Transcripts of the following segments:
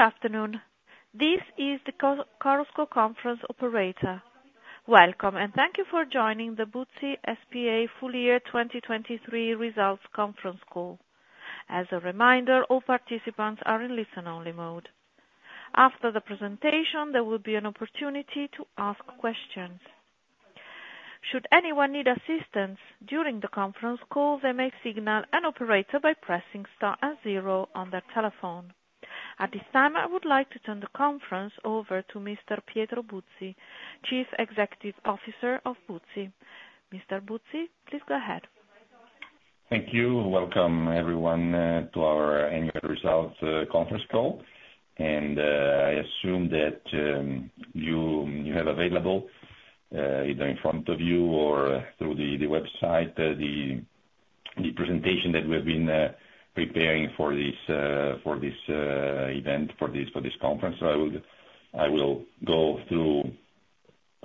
Good afternoon. This is the Chorus Call conference operator. Welcome, and thank you for joining the Buzzi SpA Full Year 2023 Results Conference Call. As a reminder, all participants are in listen-only mode. After the presentation, there will be an opportunity to ask questions. Should anyone need assistance during the conference call, they may signal an operator by pressing star and zero on their telephone. At this time, I would like to turn the conference over to Mr. Pietro Buzzi, Chief Executive Officer of Buzzi SpA. Mr. Buzzi, please go ahead. Thank you. Welcome, everyone, to our Annual Results Conference Call. I assume that you have available, either in front of you or through the website, the presentation that we have been preparing for this event, for this conference. I will go through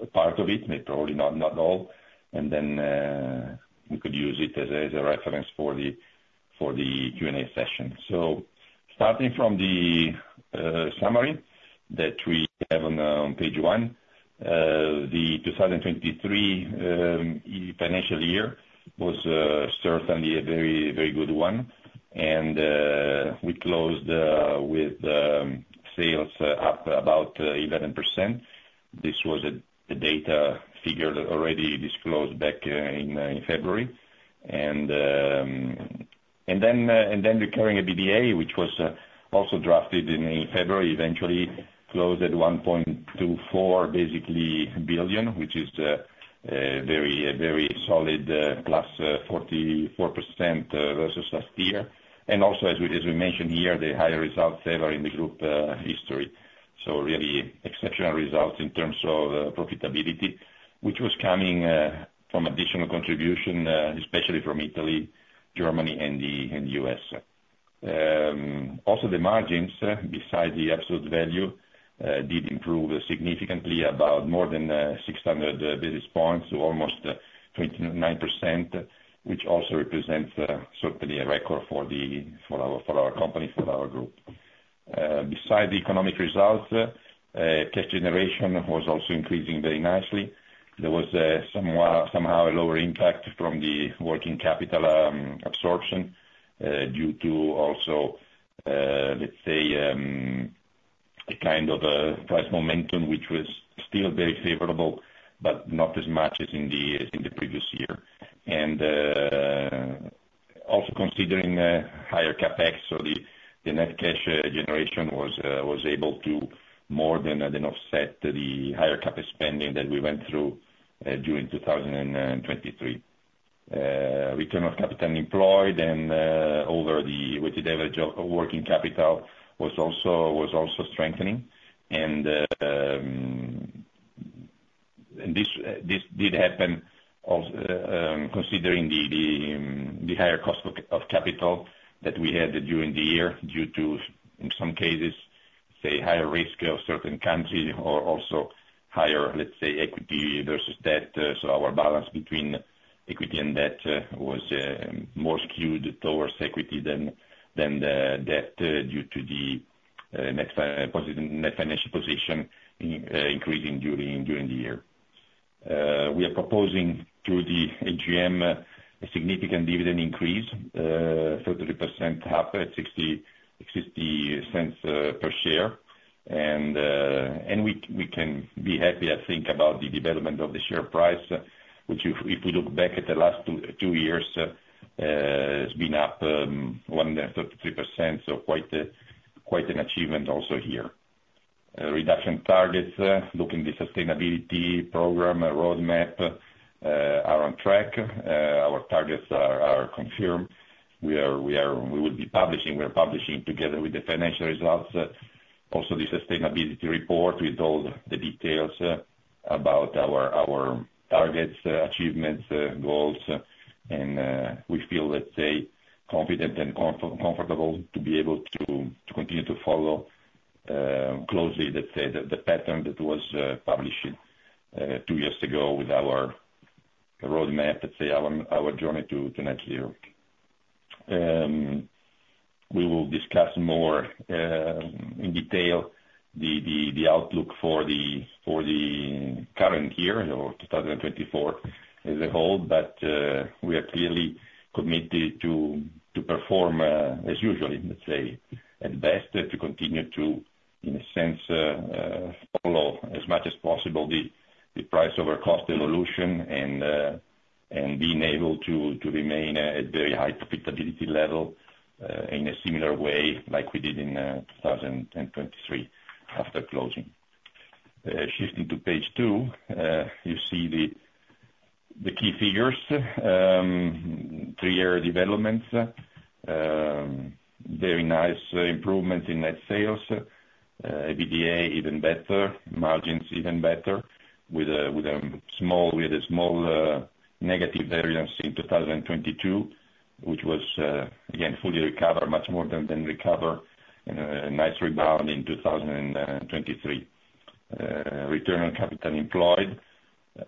a part of it, maybe probably not all, and then we could use it as a reference for the Q&A session. Starting from the summary that we have on page one, the 2023 financial year was certainly a very, very good one. We closed with sales up about 11%. This was a data figure that already disclosed back in February. Then the recurring EBITDA, which was also drafted in February, eventually closed at 1.24 billion, which is a very solid +44% versus last year. Also, as we mentioned here, the higher results ever in the group history. So really exceptional results in terms of profitability, which was coming from additional contribution, especially from Italy, Germany, and the U.S. Also, the margins, besides the absolute value, did improve significantly, about more than 600 basis points to almost 29%, which also represents certainly a record for our company, for our group. Besides the economic results, cash generation was also increasing very nicely. There was somehow a lower impact from the working capital absorption due to also, let's say, a kind of price momentum, which was still very favorable but not as much as in the previous year. And also considering higher CapEx, so the net cash generation was able to more than offset the higher CapEx spending that we went through during 2023. Return on capital employed and over the weighted average of working capital was also strengthening. This did happen considering the higher cost of capital that we had during the year due to, in some cases, say, higher risk of certain countries or also higher, let's say, equity versus debt. Our balance between equity and debt was more skewed towards equity than debt due to the net financial position increasing during the year. We are proposing through the AGM a significant dividend increase, 33% up at 0.60 per share. We can be happy, I think, about the development of the share price, which, if we look back at the last two years, has been up 133%, so quite an achievement also here. Reduction targets, looking at the sustainability program roadmap, are on track. Our targets are confirmed. We will be publishing together with the financial results also the sustainability report with all the details about our targets, achievements, goals. We feel, let's say, confident and comfortable to be able to continue to follow closely, let's say, the pattern that was published two years ago with our roadmap, let's say, our journey to net zero. We will discuss more in detail the outlook for the current year or 2024 as a whole. We are clearly committed to perform as usual, let's say, at best, to continue to, in a sense, follow as much as possible the price-over-cost evolution and being able to remain at very high profitability level in a similar way like we did in 2023 after closing. Shifting to page 2, you see the key figures, 3-year developments, very nice improvements in net sales, EBITDA even better, margins even better with a small negative variance in 2022, which was, again, fully recovered, much more than recovered, and a nice rebound in 2023. Return on capital employed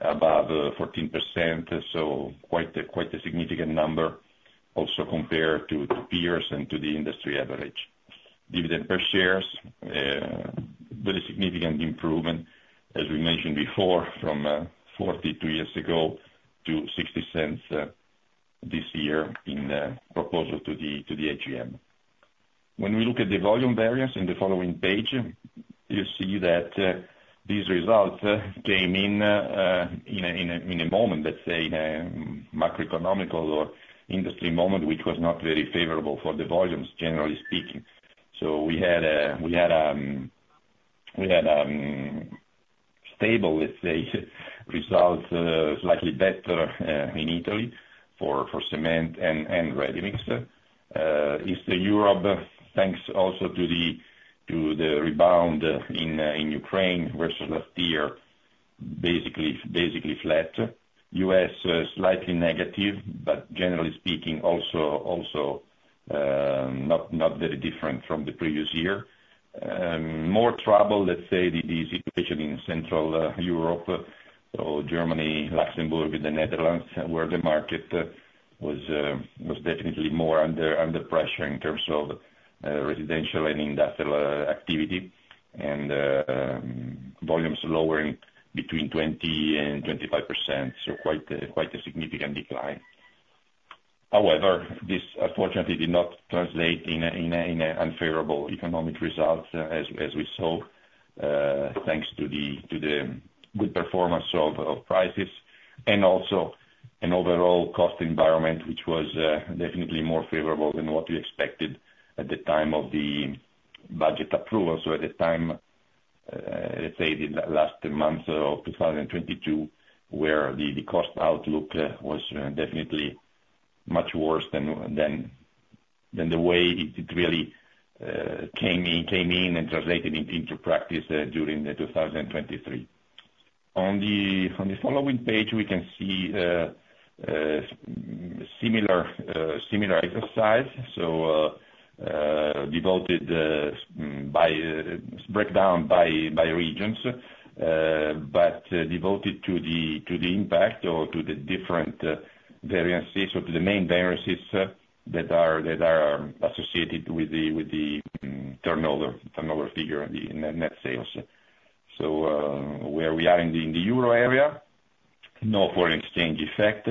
above 14%, so quite a significant number also compared to peers and to the industry average. Dividend per share, very significant improvement, as we mentioned before, from 0.40 two years ago to 0.60 this year in proposal to the AGM. When we look at the volume variance in the following page, you'll see that these results came in a moment, let's say, in a macroeconomic or industry moment, which was not very favorable for the volumes, generally speaking. So we had a stable, let's say, result, slightly better in Italy for cement and ready mix. Eastern Europe, thanks also to the rebound in Ukraine versus last year, basically flat. U.S., slightly negative, but generally speaking, also not very different from the previous year. More trouble, let's say, the situation in Central Europe or Germany, Luxembourg, and the Netherlands, where the market was definitely more under pressure in terms of residential and industrial activity and volumes lowering between 20%-25%, so quite a significant decline. However, this, unfortunately, did not translate in an unfavorable economic result, as we saw, thanks to the good performance of prices and also an overall cost environment, which was definitely more favorable than what we expected at the time of the budget approval. So at the time, let's say, the last month of 2022, where the cost outlook was definitely much worse than the way it really came in and translated into practice during 2023. On the following page, we can see a similar exercise, so breakdown by regions, but devoted to the impact or to the different variances, or to the main variances that are associated with the turnover figure, the net sales. So where we are in the euro area, no foreign exchange effect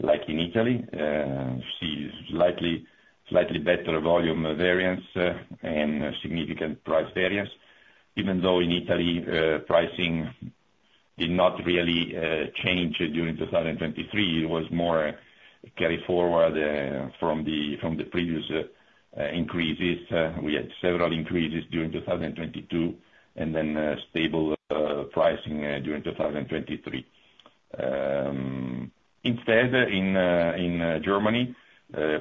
like in Italy. You see slightly better volume variance and significant price variance. Even though in Italy, pricing did not really change during 2023, it was more carried forward from the previous increases. We had several increases during 2022 and then stable pricing during 2023. Instead, in Germany,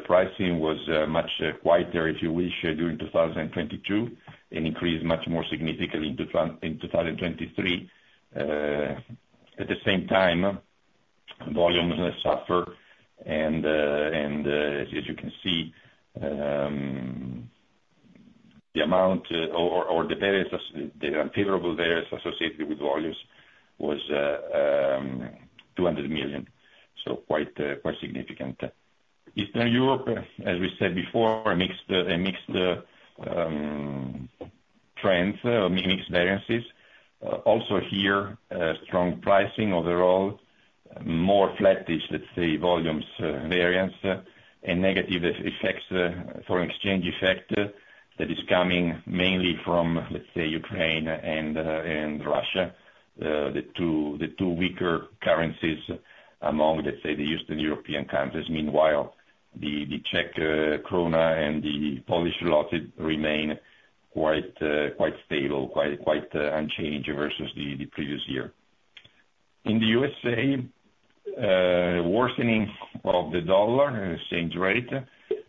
pricing was much quieter, if you wish, during 2022 and increased much more significantly in 2023. At the same time, volumes suffer. And as you can see, the amount or the unfavorable variance associated with volumes was 200 million, so quite significant. Eastern Europe, as we said before, mixed trends or mixed variances. Also here, strong pricing overall, more flatish, let's say, volumes variance and negative foreign exchange effect that is coming mainly from, let's say, Ukraine and Russia, the two weaker currencies among, let's say, the Eastern European countries. Meanwhile, the Czech koruna and the Polish zloty remain quite stable, quite unchanged versus the previous year. In the USA, worsening of the dollar exchange rate,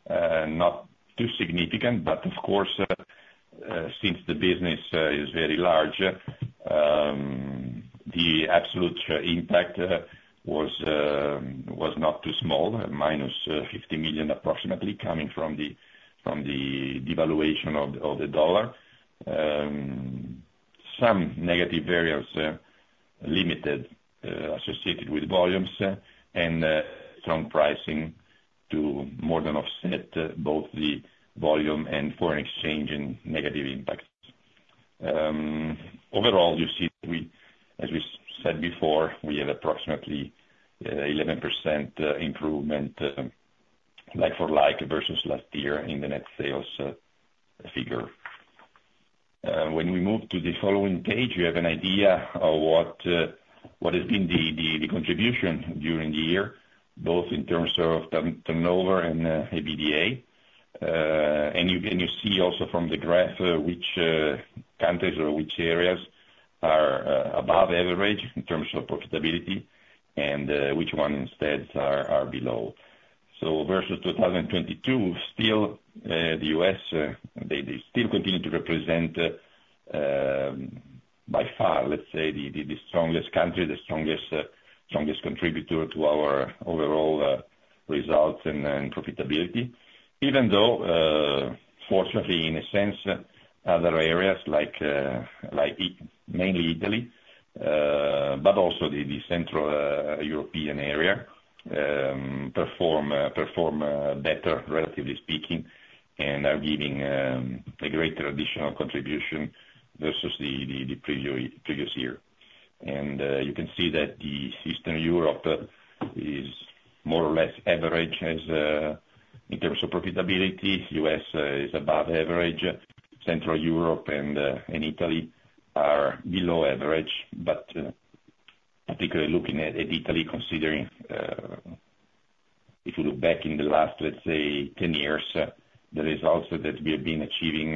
not too significant. But of course, since the business is very large, the absolute impact was not too small, -50 million approximately coming from the devaluation of the dollar. Some negative variance limited associated with volumes and strong pricing to more than offset both the volume and foreign exchange and negative impacts. Overall, you see that we, as we said before, we have approximately 11% improvement like-for-like versus last year in the net sales figure. When we move to the following page, you have an idea of what has been the contribution during the year, both in terms of turnover and EBITDA. And you can see also from the graph which countries or which areas are above average in terms of profitability and which ones instead are below. So versus 2022, still the U.S., they still continue to represent, by far, let's say, the strongest country, the strongest contributor to our overall results and profitability. Even though, fortunately, in a sense, other areas like mainly Italy, but also the Central European area, perform better, relatively speaking, and are giving a greater additional contribution versus the previous year. And you can see that the Eastern Europe is more or less average in terms of profitability. U.S. is above average. Central Europe and Italy are below average. Particularly looking at Italy, considering if you look back in the last, let's say, 10 years, the results that we have been achieving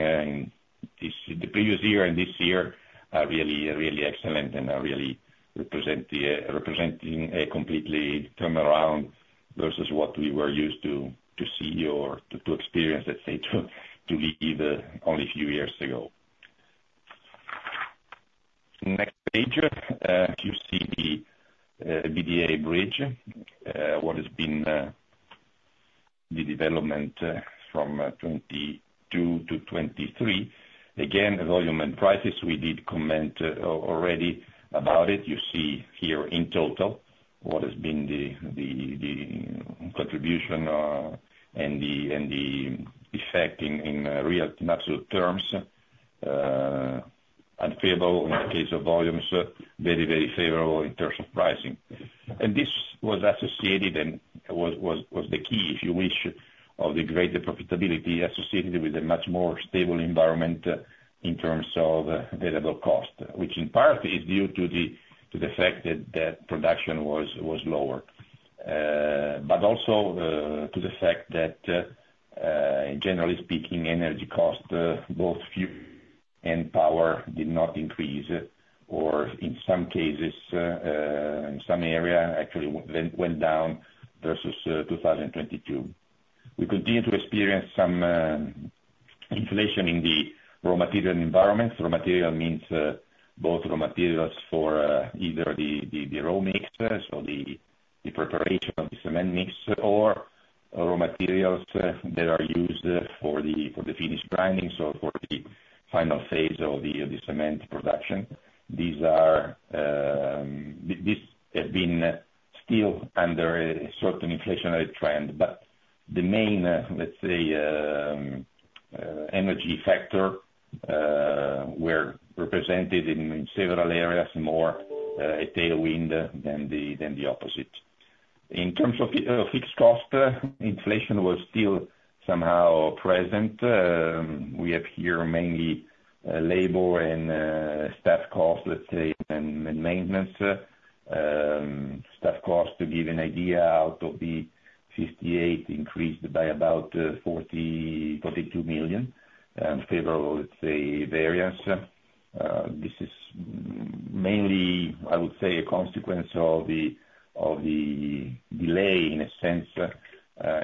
in the previous year and this year are really excellent and are really representing a completely turnaround versus what we were used to see or to experience, let's say, to leave only a few years ago. Next page, you see the EBITDA bridge, what has been the development from 2022 to 2023. Again, volume and prices, we did comment already about it. You see here in total what has been the contribution and the effect in real. In absolute terms, unfavorable in the case of volumes, very, very favorable in terms of pricing. This was associated and was the key, if you wish, of the greater profitability associated with a much more stable environment in terms of variable cost, which in part is due to the fact that production was lower, but also to the fact that, generally speaking, energy cost, both fuel and power, did not increase or, in some cases, in some area, actually went down versus 2022. We continue to experience some inflation in the raw material environment. Raw material means both raw materials for either the raw mix, so the preparation of the cement mix, or raw materials that are used for the finish grinding, so for the final phase of the cement production. These have been still under a certain inflationary trend. But the main, let's say, energy factor were represented in several areas more a tailwind than the opposite. In terms of fixed cost, inflation was still somehow present. We have here mainly labor and staff costs, let's say, and maintenance. Staff cost, to give an idea, out of the 58, increased by about 42 million in favorable, let's say, variance. This is mainly, I would say, a consequence of the delay, in a sense,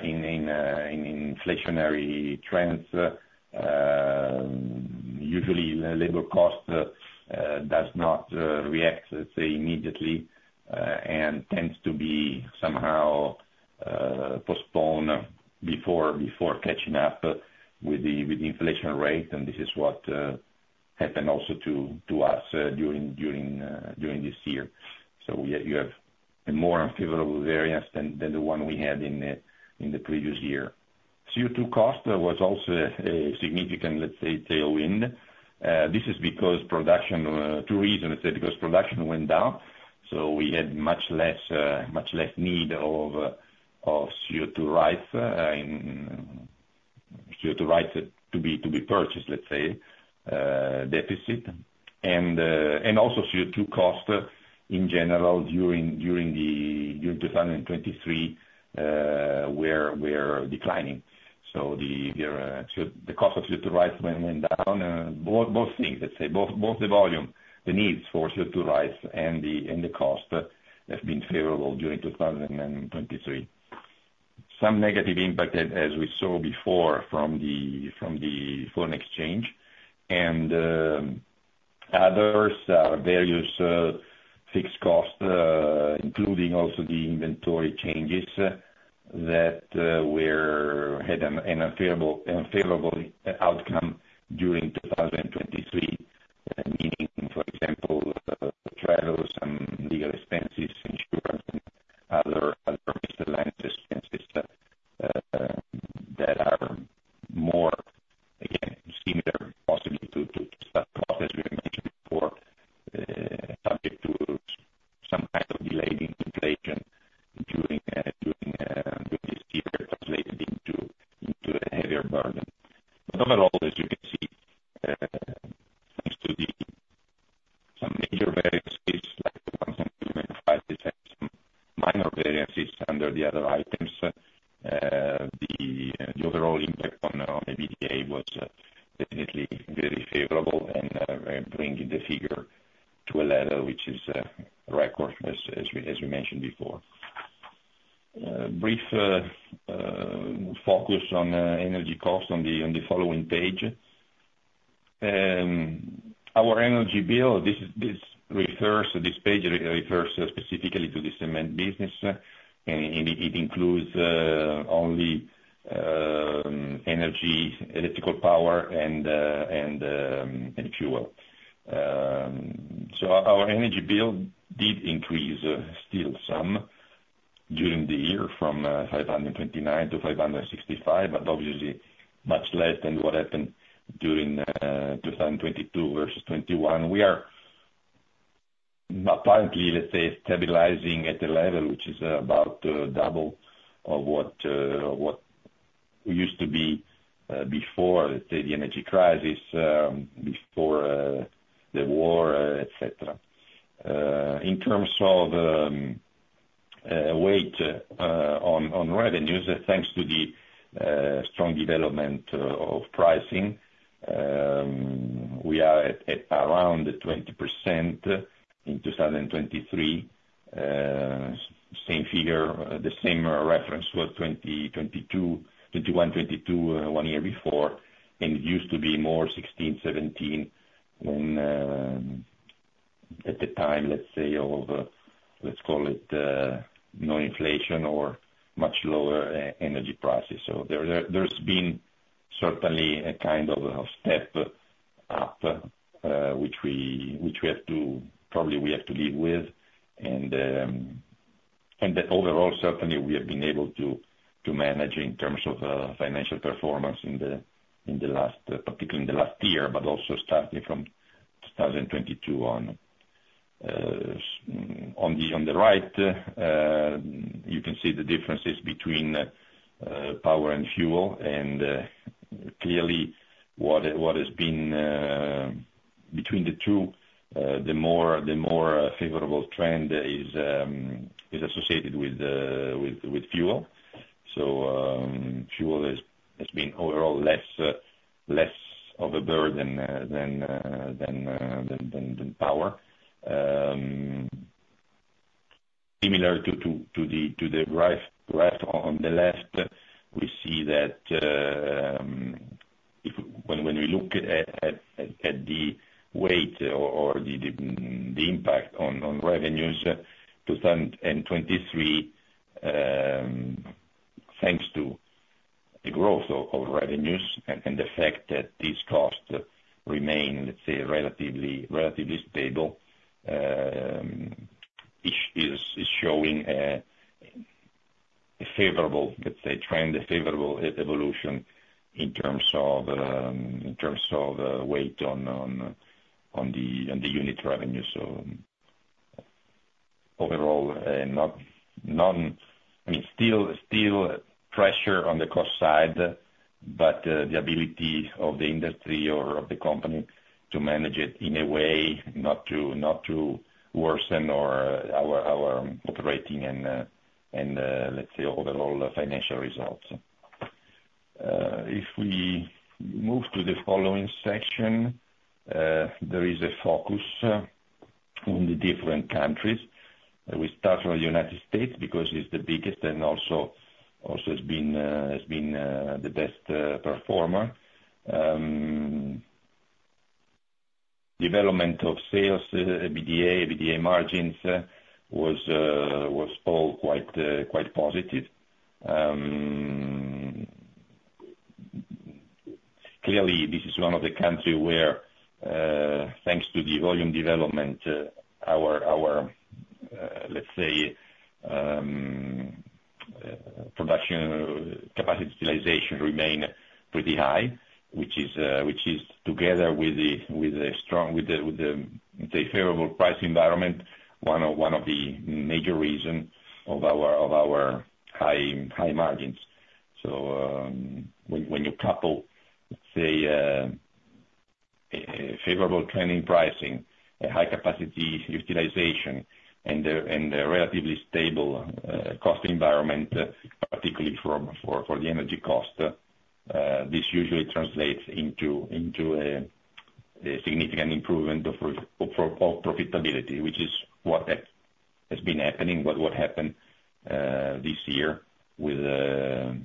in inflationary trends. Usually, labor cost does not react, let's say, immediately and tends to be somehow postponed before catching up with the inflation rate. And this is what happened also to us during this year. So you have a more unfavorable variance than the one we had in the previous year. CO2 cost was also a significant, let's say, tailwind. This is because production two reasons, let's say, because production went down, so we had much less need of CO2 rights to be purchased, let's say, deficit. And also CO2 cost, in general, during 2023 were declining. So the cost of CO2 rights went down. Both things, let's say, both the volume, the needs for CO2 rights, and the cost have been favorable during 2023. Some negative impact, as we saw before, from the foreign exchange and others, various fixed costs, including also the inventory changes that had an unfavorable outcome during 2023, meaning, same figure, the same reference for 2021, 2022, one year before. It used to be more 16, 17 at the time, let's say, of, let's call it, no inflation or much lower energy prices. So there's been certainly a kind of step up which we have to probably live with. And overall, certainly, we have been able to manage in terms of financial performance in the last, particularly in the last year, but also starting from 2022 on. On the right, you can see the differences between power and fuel. And clearly, what has been between the two, the more favorable trend is associated with fuel. So fuel has been overall less of a burden than power. Similar to the graph on the left, we see that when we look at the weight or the impact on revenues in 2023, thanks to the growth of revenues and the fact that these costs remain, let's say, relatively stable, is showing a favorable, let's say, trend, a favorable evolution in terms of weight on the unit revenue. So overall, not I mean, still pressure on the cost side, but the ability of the industry or of the company to manage it in a way not to worsen our operating and, let's say, overall financial results. If we move to the following section, there is a focus on the different countries. We start from the United States because it's the biggest and also has been the best performer. Development of sales, EBITDA, EBITDA margins was all quite positive. Clearly, this is one of the countries where, thanks to the volume development, our, let's say, production capacity utilization remained pretty high, which is, together with the strong, let's say, favorable pricing environment, one of the major reasons of our high margins. So when you couple, let's say, favorable trending pricing, high capacity utilization, and a relatively stable cost environment, particularly for the energy cost, this usually translates into a significant improvement of profitability, which is what has been happening, what happened this year with a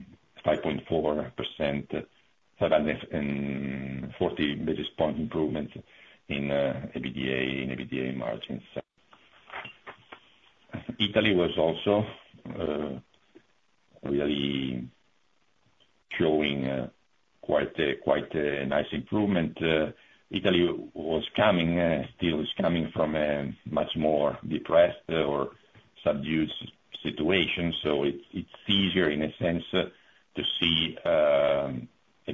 5.4%, 540 basis point improvement in EBITDA margins. Italy was also really showing quite a nice improvement. Italy was coming, still is coming, from a much more depressed or subdued situation. So it's easier, in a sense, to see a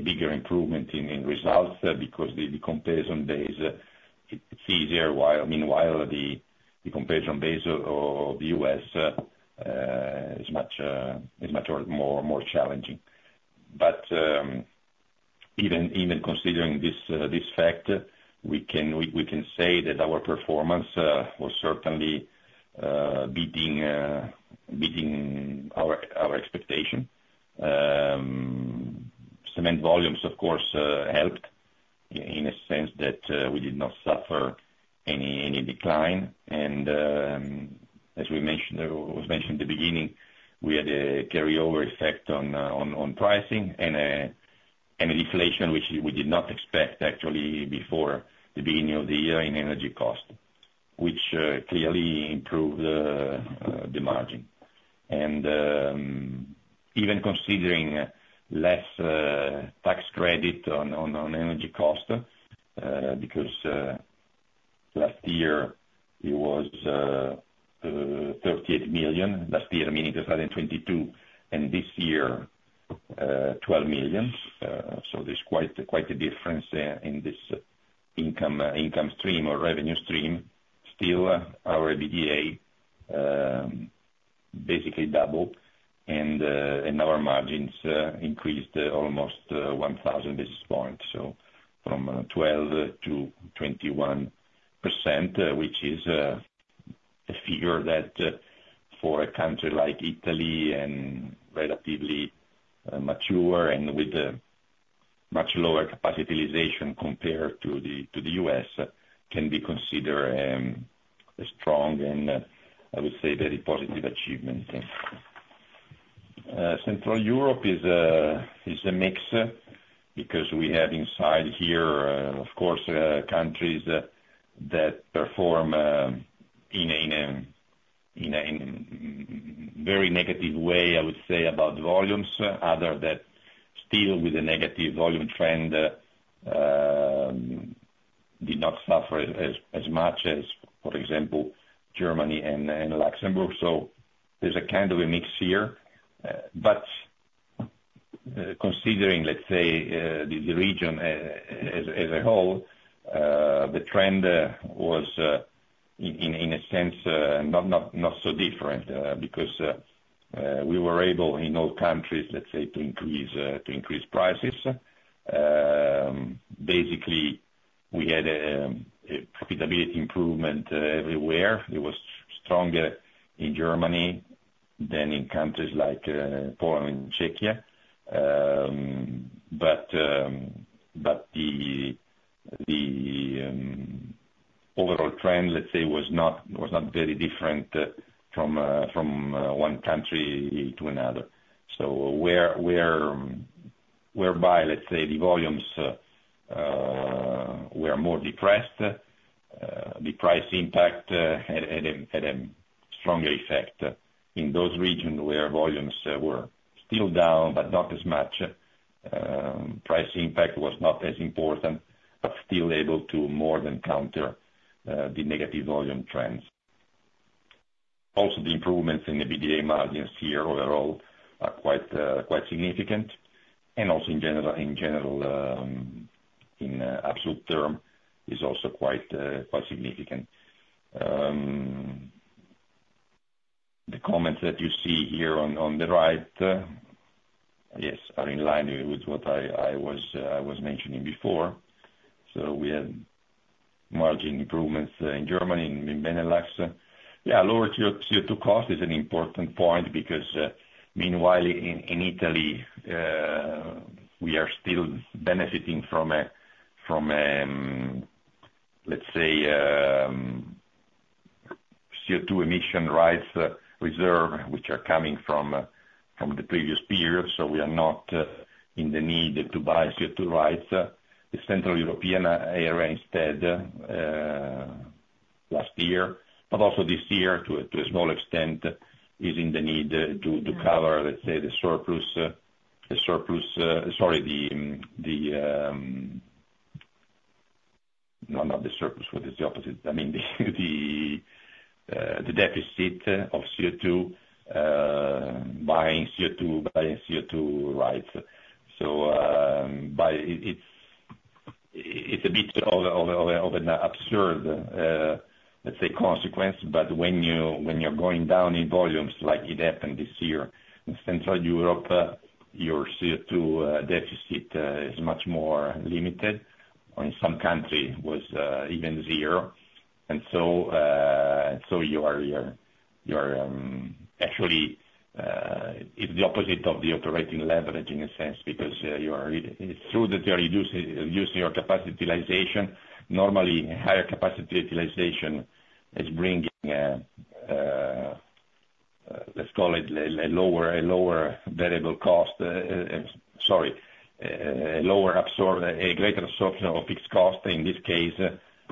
bigger improvement in results because the comparison base, it's easier. Meanwhile, the comparison base of the U.S. is much more challenging. Even considering this fact, we can say that our performance was certainly beating our expectation. Cement volumes, of course, helped in a sense that we did not suffer any decline. As we mentioned in the beginning, we had a carryover effect on pricing and an inflation which we did not expect, actually, before the beginning of the year in energy cost, which clearly improved the margin. Even considering less tax credit on energy cost because last year, it was 38 million. Last year, meaning 2022, and this year, 12 million. So there's quite a difference in this income stream or revenue stream. Still, our EBITDA basically doubled, and our margins increased almost 1,000 basis points, so from 12% to 21%, which is a figure that, for a country like Italy and relatively mature and with much lower capacity utilization compared to the U.S., can be considered a strong and, I would say, very positive achievement. Central Europe is a mix because we have inside here, of course, countries that perform in a very negative way, I would say, about volumes, others that still with a negative volume trend did not suffer as much as, for example, Germany and Luxembourg. So there's a kind of a mix here. But considering, let's say, the region as a whole, the trend was, in a sense, not so different because we were able, in all countries, let's say, to increase prices. Basically, we had a profitability improvement everywhere. It was stronger in Germany than in countries like Poland and Czechia. But the overall trend, let's say, was not very different from one country to another. So whereby, let's say, the volumes were more depressed, the price impact had a stronger effect. In those regions where volumes were still down but not as much, price impact was not as important, but still able to more than counter the negative volume trends. Also, the improvements in EBITDA margins here overall are quite significant. And also, in general, in absolute terms, is also quite significant. The comments that you see here on the right, yes, are in line with what I was mentioning before. So we had margin improvements in Germany, in Benelux. Yeah, lower CO2 cost is an important point because, meanwhile, in Italy, we are still benefiting from a, let's say, CO2 emission rights reserve which are coming from the previous period. So we are not in the need to buy CO2 rights. The Central European area, instead, last year, but also this year, to a small extent, is in the need to cover, let's say, the surplus—sorry, no, not the surplus. What is the opposite? I mean, the deficit of CO2, buying CO2 rights. So it's a bit of an absurd, let's say, consequence. But when you're going down in volumes like it happened this year in Central Europe, your CO2 deficit is much more limited. In some countries, it was even zero. And so you are actually—it's the opposite of the operating leverage, in a sense, because it's true that you're reducing your capacity utilization. Normally, higher capacity utilization is bringing, let's call it, a lower variable cost, sorry, a greater absorption of fixed cost. In this case,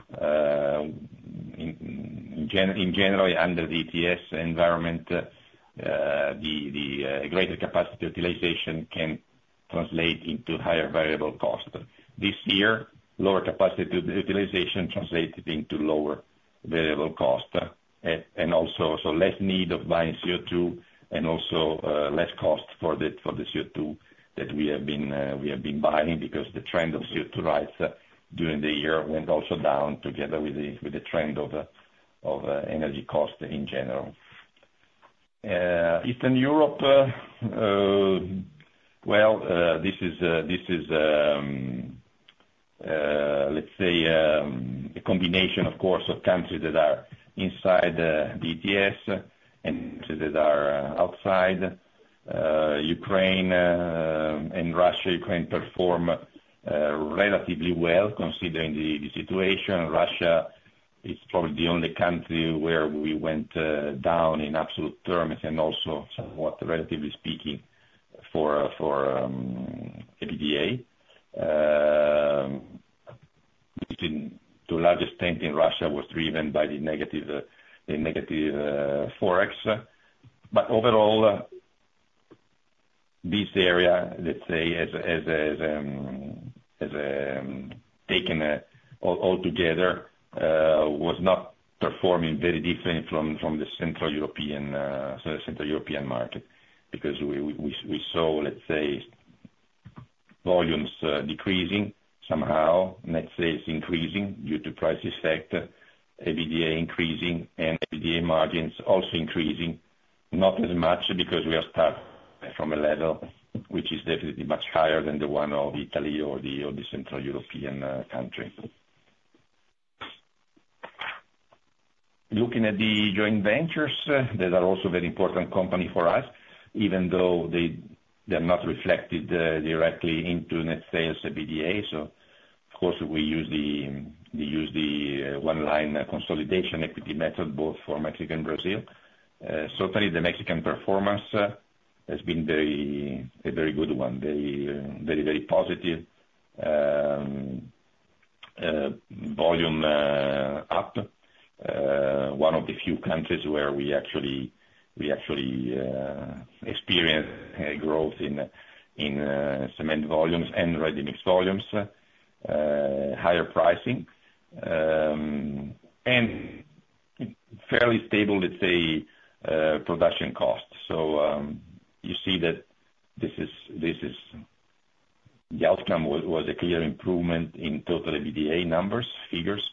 in general, under the ETS environment, a greater capacity utilization can translate into higher variable cost. This year, lower capacity utilization translated into lower variable cost and also so less need of buying CO2 and also less cost for the CO2 that we have been buying because the trend of CO2 rights during the year went also down together with the trend of energy cost in general. Eastern Europe, well, this is, let's say, a combination, of course, of countries that are inside the ETS and countries that are outside. Ukraine and Russia, Ukraine perform relatively well considering the situation. Russia is probably the only country where we went down in absolute terms and also somewhat, relatively speaking, for EBITDA. The largest dent in Russia was driven by the negative forex. But overall, this area, let's say, taken altogether, was not performing very different from the Central European market because we saw, let's say, volumes decreasing somehow, and let's say, it's increasing due to price effect, EBITDA increasing, and EBITDA margins also increasing, not as much because we are starting from a level which is definitely much higher than the one of Italy or the Central European country. Looking at the joint ventures, they are also very important companies for us, even though they are not reflected directly into, let's say, EBITDA. So, of course, we use the one-line consolidation equity method both for Mexico and Brazil. Certainly, the Mexican performance has been a very good one, very, very positive, volume up, one of the few countries where we actually experienced growth in cement volumes and ready-mix volumes, higher pricing, and fairly stable, let's say, production cost. So you see that this is the outcome was a clear improvement in total EBITDA numbers, figures,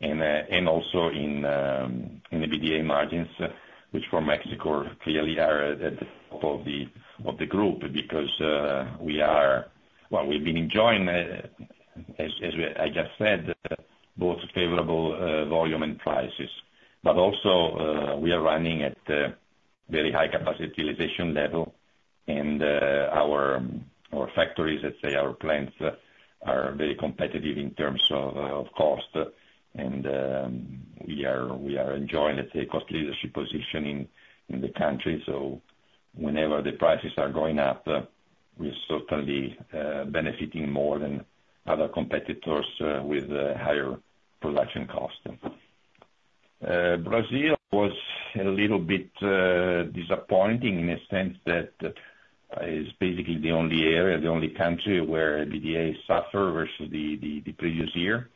and also in EBITDA margins, which for Mexico clearly are at the top of the group because we are well, we've been enjoying, as I just said, both favorable volume and prices. But also, we are running at a very high capacity utilization level, and our factories, let's say, our plants are very competitive in terms of cost. And we are enjoying, let's say, a cost leadership position in the country. So whenever the prices are going up, we're certainly benefiting more than other competitors with higher production cost. Brazil was a little bit disappointing in a sense that it's basically the only area, the only country where EBITDA suffered versus the previous year.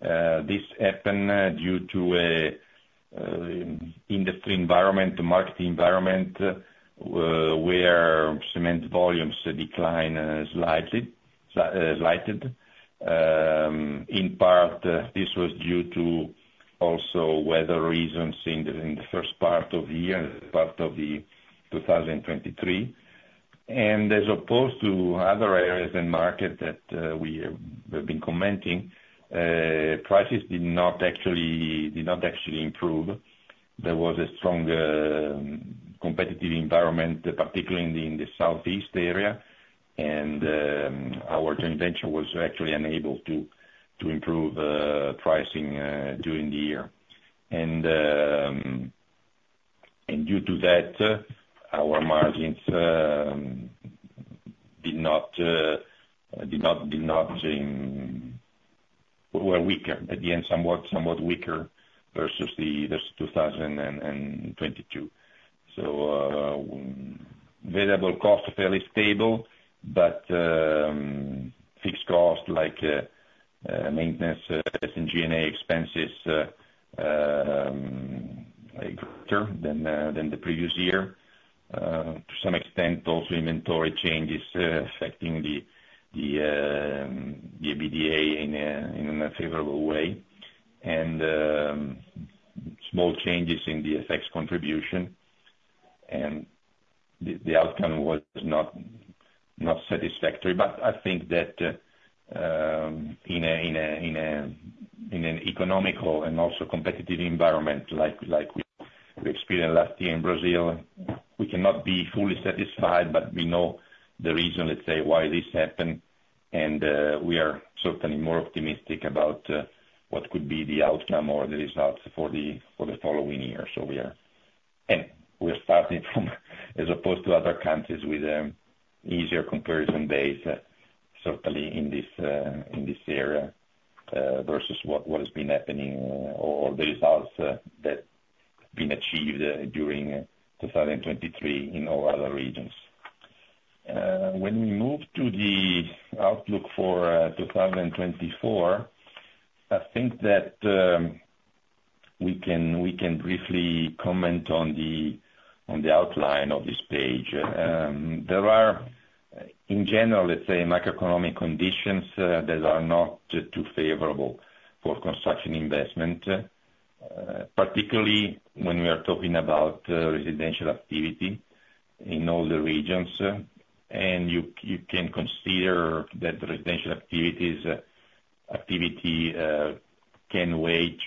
This happened due to an industry environment, a market environment where cement volumes declined slightly. In part, this was due to also weather reasons in the first part of the year, part of 2023. As opposed to other areas and markets that we have been commenting, prices did not actually improve. There was a strong competitive environment, particularly in the Southeast area. Our joint venture was actually unable to improve pricing during the year. Due to that, our margins were weaker at the end, somewhat weaker versus 2022. So variable cost, fairly stable, but fixed cost like maintenance and G&A expenses are greater than the previous year. To some extent, also, inventory changes affecting the EBITDA in a favorable way and small changes in the FX contribution. The outcome was not satisfactory. But I think that in an economical and also competitive environment like we experienced last year in Brazil, we cannot be fully satisfied, but we know the reason, let's say, why this happened. We are certainly more optimistic about what could be the outcome or the results for the following year. We're starting from, as opposed to other countries, with an easier comparison base, certainly in this area versus what has been happening or the results that have been achieved during 2023 in all other regions. When we move to the outlook for 2024, I think that we can briefly comment on the outline of this page. There are, in general, let's say, macroeconomic conditions that are not too favorable for construction investment, particularly when we are talking about residential activity in all the regions. And you can consider that residential activity can range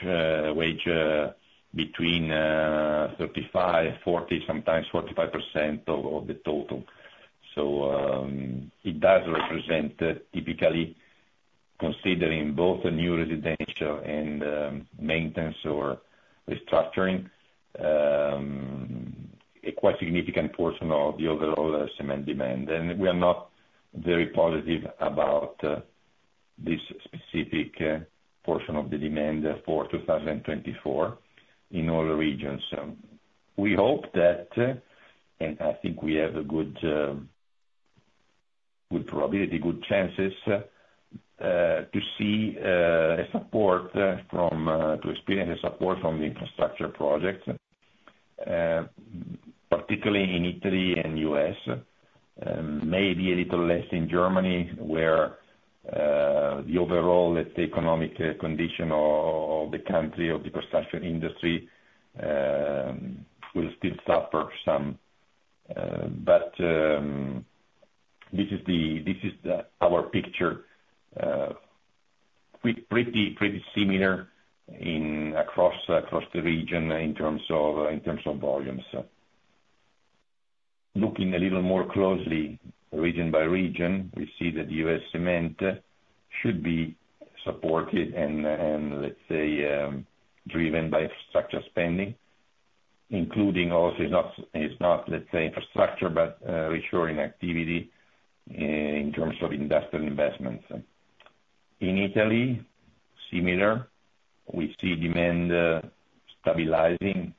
between 35, 40, sometimes 45% of the total. So it does represent, typically, considering both new residential and maintenance or restructuring, a quite significant portion of the overall cement demand. And we are not very positive about this specific portion of the demand for 2024 in all regions. We hope that and I think we have a good probability, good chances to see a support from to experience a support from the infrastructure projects, particularly in Italy and U.S., maybe a little less in Germany where the overall, let's say, economic condition of the country, of the construction industry will still suffer some. This is our picture, pretty similar across the region in terms of volumes. Looking a little more closely region by region, we see that U.S. cement should be supported and, let's say, driven by infrastructure spending, including also it's not, let's say, infrastructure but residential activity in terms of industrial investments. In Italy, similar. We see demand stabilizing.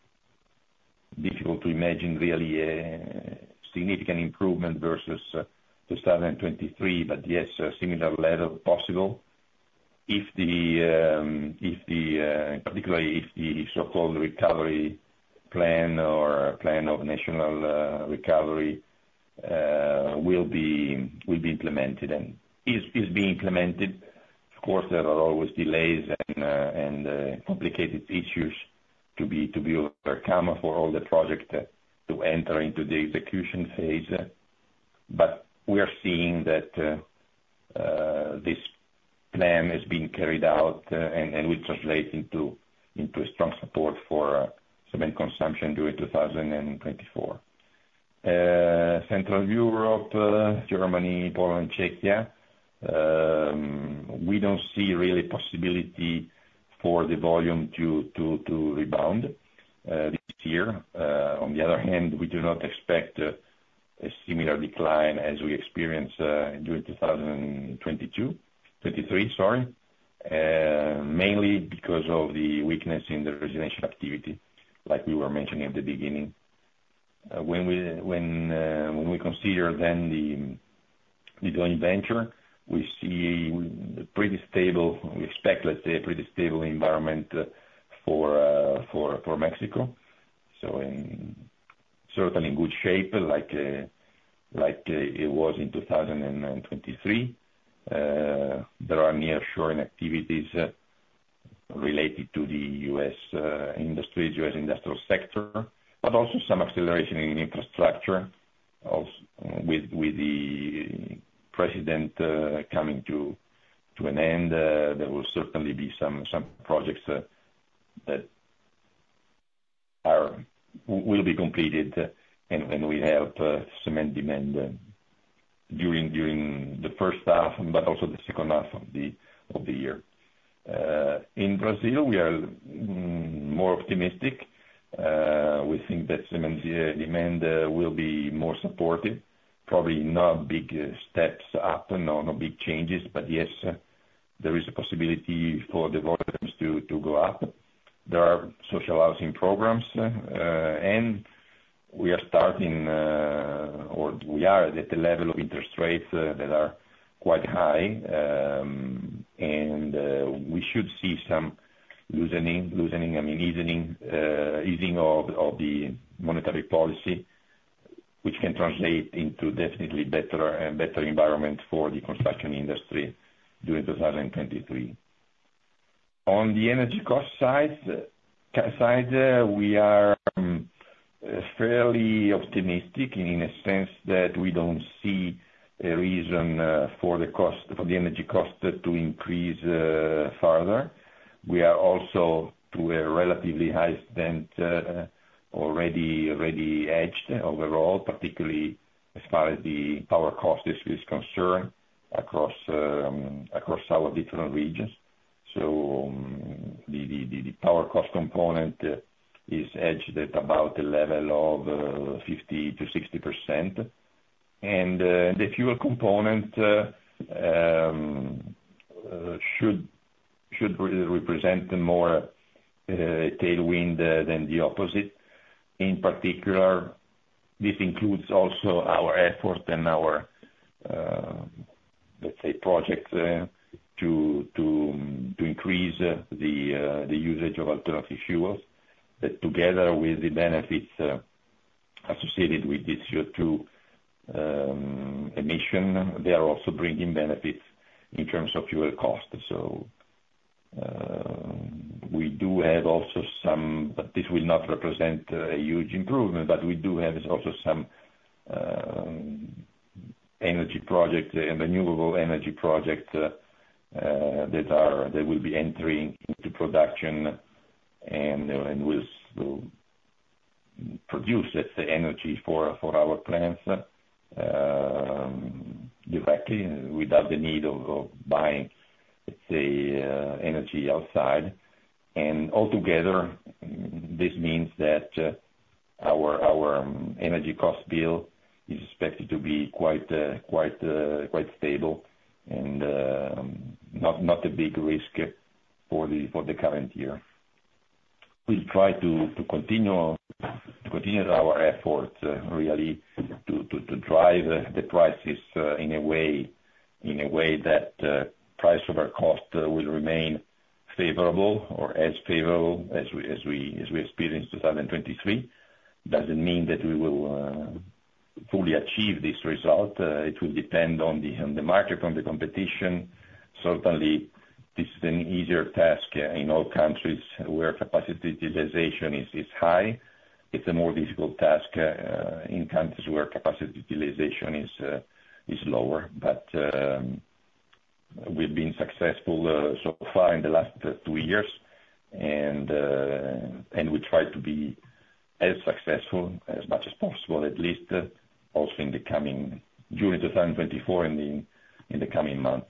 Difficult to imagine, really, a significant improvement versus 2023, but yes, a similar level possible, particularly if the so-called recovery plan or plan of national recovery will be implemented and is being implemented. Of course, there are always delays and complicated issues to be overcome for all the projects to enter into the execution phase. We are seeing that this plan has been carried out and will translate into a strong support for cement consumption during 2024. Central Europe, Germany, Poland, and Czechia, we don't see really possibility for the volume to rebound this year. On the other hand, we do not expect a similar decline as we experienced during 2023, sorry, mainly because of the weakness in the residential activity, like we were mentioning at the beginning. When we consider then the joint venture, we see a pretty stable, let's say, a pretty stable environment for Mexico. So certainly in good shape like it was in 2023. There are nearshoring activities related to the U.S. industries, U.S. industrial sector, but also some acceleration in infrastructure with the president coming to an end. There will certainly be some projects that will be completed, and we have cement demand during the first half but also the second half of the year. In Brazil, we are more optimistic. We think that cement demand will be more supportive, probably not big steps up, no big changes. But yes, there is a possibility for the volumes to go up. There are social housing programs, and we are starting or we are at the level of interest rates that are quite high. And we should see some loosening, I mean, easing of the monetary policy, which can translate into definitely better environment for the construction industry during 2023. On the energy cost side, we are fairly optimistic in a sense that we don't see a reason for the energy cost to increase further. We are also to a relatively high extent already hedged overall, particularly as far as the power cost is concerned across our different regions. So the power cost component is hedged at about the level of 50%-60%. And the fuel component should represent more a tailwind than the opposite. In particular, this includes also our effort and our, let's say, projects to increase the usage of alternative fuels that together with the benefits associated with this CO2 emission, they are also bringing benefits in terms of fuel cost. So we do have also some but this will not represent a huge improvement. But we do have also some energy projects and renewable energy projects that will be entering into production and will produce, let's say, energy for our plants directly without the need of buying, let's say, energy outside. And altogether, this means that our energy cost bill is expected to be quite stable and not a big risk for the current year. We'll try to continue our efforts, really, to drive the prices in a way that price over cost will remain favorable or as favorable as we experienced 2023. Doesn't mean that we will fully achieve this result. It will depend on the market, on the competition. Certainly, this is an easier task in all countries where capacity utilization is high. It's a more difficult task in countries where capacity utilization is lower. But we've been successful so far in the last two years, and we try to be as successful as much as possible, at least also in the coming during 2024 and in the coming months.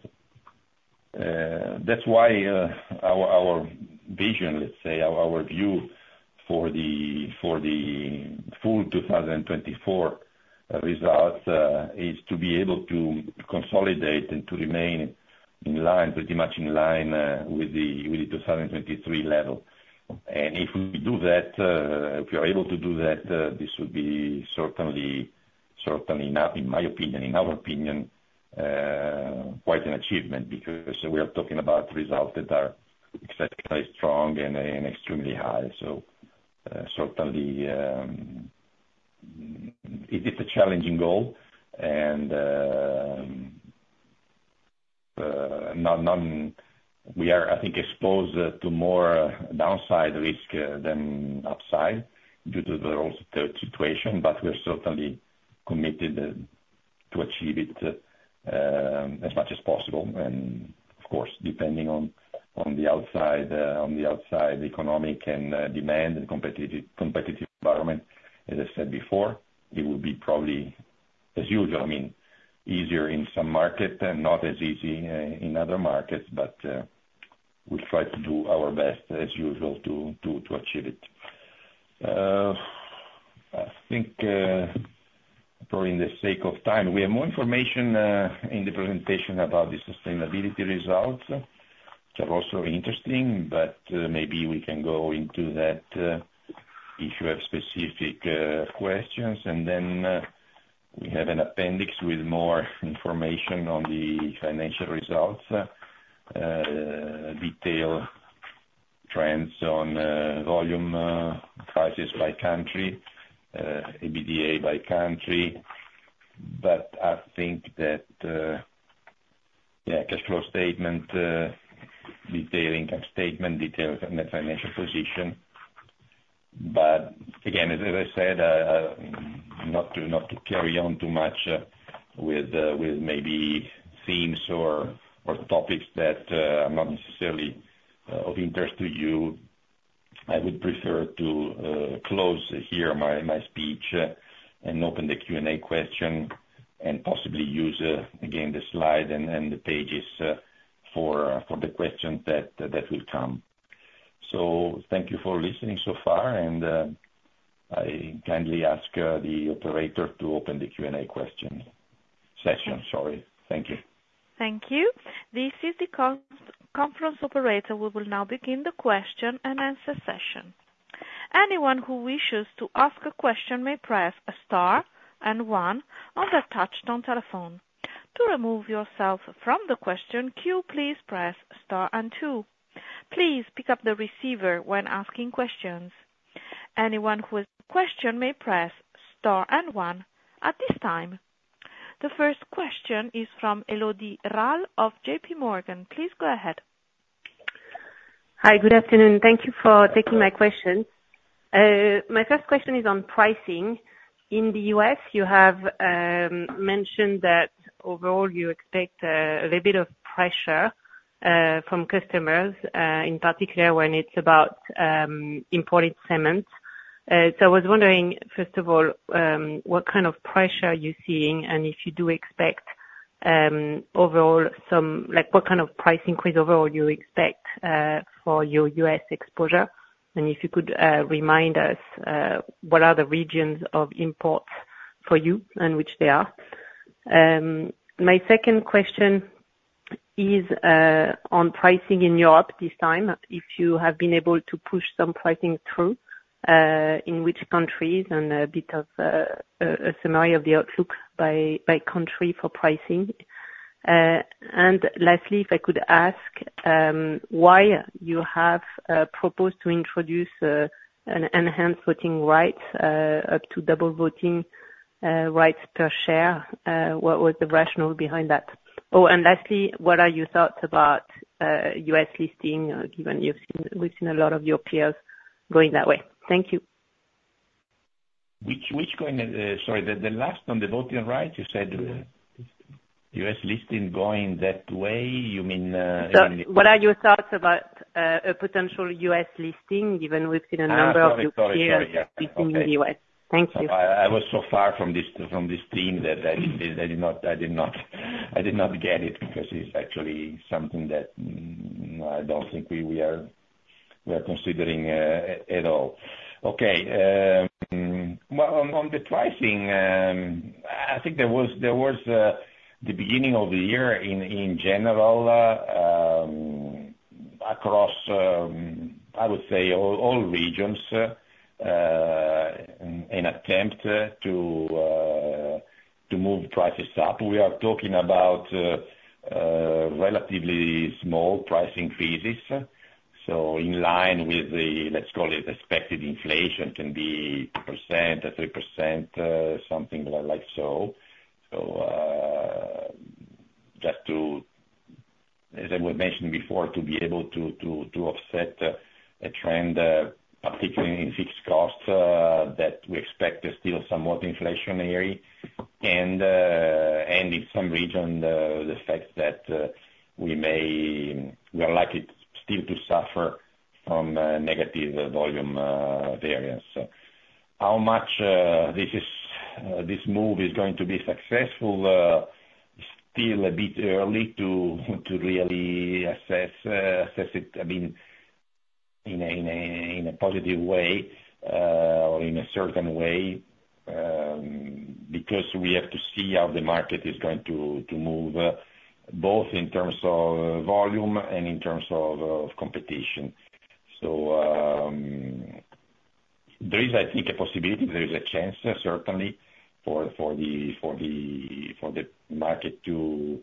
That's why our vision, let's say, our view for the full 2024 results is to be able to consolidate and to remain in line, pretty much in line with the 2023 level. If we do that, if we are able to do that, this would be certainly not, in my opinion, in our opinion, quite an achievement because we are talking about results that are exceptionally strong and extremely high. So certainly, it's a challenging goal. And we are, I think, exposed to more downside risk than upside due to the also third situation. But we are certainly committed to achieve it as much as possible. And of course, depending on the outside economic and demand and competitive environment, as I said before, it will be probably, as usual, I mean, easier in some markets and not as easy in other markets. But we'll try to do our best, as usual, to achieve it. I think probably for the sake of time, we have more information in the presentation about the sustainability results, which are also interesting. But maybe we can go into that if you have specific questions. And then we have an appendix with more information on the financial results, detailed trends on volume prices by country, EBITDA by country. But I think that, yeah, cash flow statement, detailing cash statement, detailing the financial position. But again, as I said, not to carry on too much with maybe themes or topics that are not necessarily of interest to you. I would prefer to close here my speech and open the Q&A question and possibly use, again, the slide and the pages for the questions that will come. So thank you for listening so far. And I kindly ask the operator to open the Q&A question session. Sorry. Thank you. Thank you. This is the conference operator. We will now begin the question and answer session. Anyone who wishes to ask a question may press star and one on the touch-tone telephone. To remove yourself from the question queue, please press star and two. Please pick up the receiver when asking questions. Anyone who has a question may press star and one at this time. The first question is from Élodie Rall of JPMorgan. Please go ahead. Hi. Good afternoon. Thank you for taking my question. My first question is on pricing. In the U.S., you have mentioned that overall, you expect a little bit of pressure from customers, in particular when it's about imported cement. So I was wondering, first of all, what kind of pressure you're seeing and if you do expect overall somewhat what kind of price increase overall you expect for your U.S. exposure? And if you could remind us what are the regions of imports for you and which they are. My second question is on pricing in Europe this time, if you have been able to push some pricing through, in which countries, and a bit of a summary of the outlook by country for pricing. And lastly, if I could ask why you have proposed to introduce an enhanced voting rights up to double voting rights per share. What was the rationale behind that? Oh, and lastly, what are your thoughts about U.S. listing, given we've seen a lot of your peers going that way? Thank you. Which going sorry. The last one, the voting rights, you said U.S. listing going that way. You mean in. So what are your thoughts about a potential U.S. listing, given we've seen a number of your peers listing in the U.S.? Thank you. I was so far from this theme that I did not get it because it's actually something that I don't think we are considering at all. Okay. Well, on the pricing, I think there was the beginning of the year, in general, across, I would say, all regions an attempt to move prices up. We are talking about relatively small pricing freezes. So in line with the, let's call it, expected inflation, it can be 2%, 3%, something like so. So just to, as I mentioned before, to be able to offset a trend, particularly in fixed costs, that we expect still somewhat inflationary. In some regions, the fact that we are likely still to suffer from negative volume variance. How much this move is going to be successful is still a bit early to really assess it, I mean, in a positive way or in a certain way because we have to see how the market is going to move, both in terms of volume and in terms of competition. So there is, I think, a possibility. There is a chance, certainly, for the market to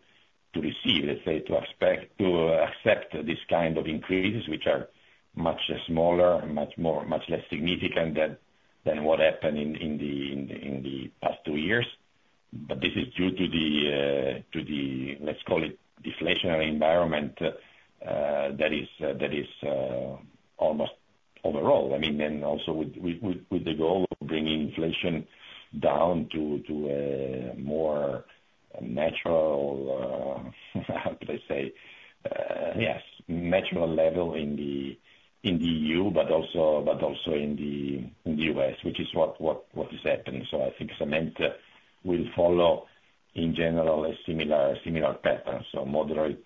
receive, let's say, to accept this kind of increases, which are much smaller, much less significant than what happened in the past two years. But this is due to the, let's call it, deflationary environment that is almost overall. I mean, and also with the goal of bringing inflation down to a more natural, how could I say? Yes, natural level in the EU but also in the U.S., which is what is happening. So I think cement will follow, in general, a similar pattern, so moderate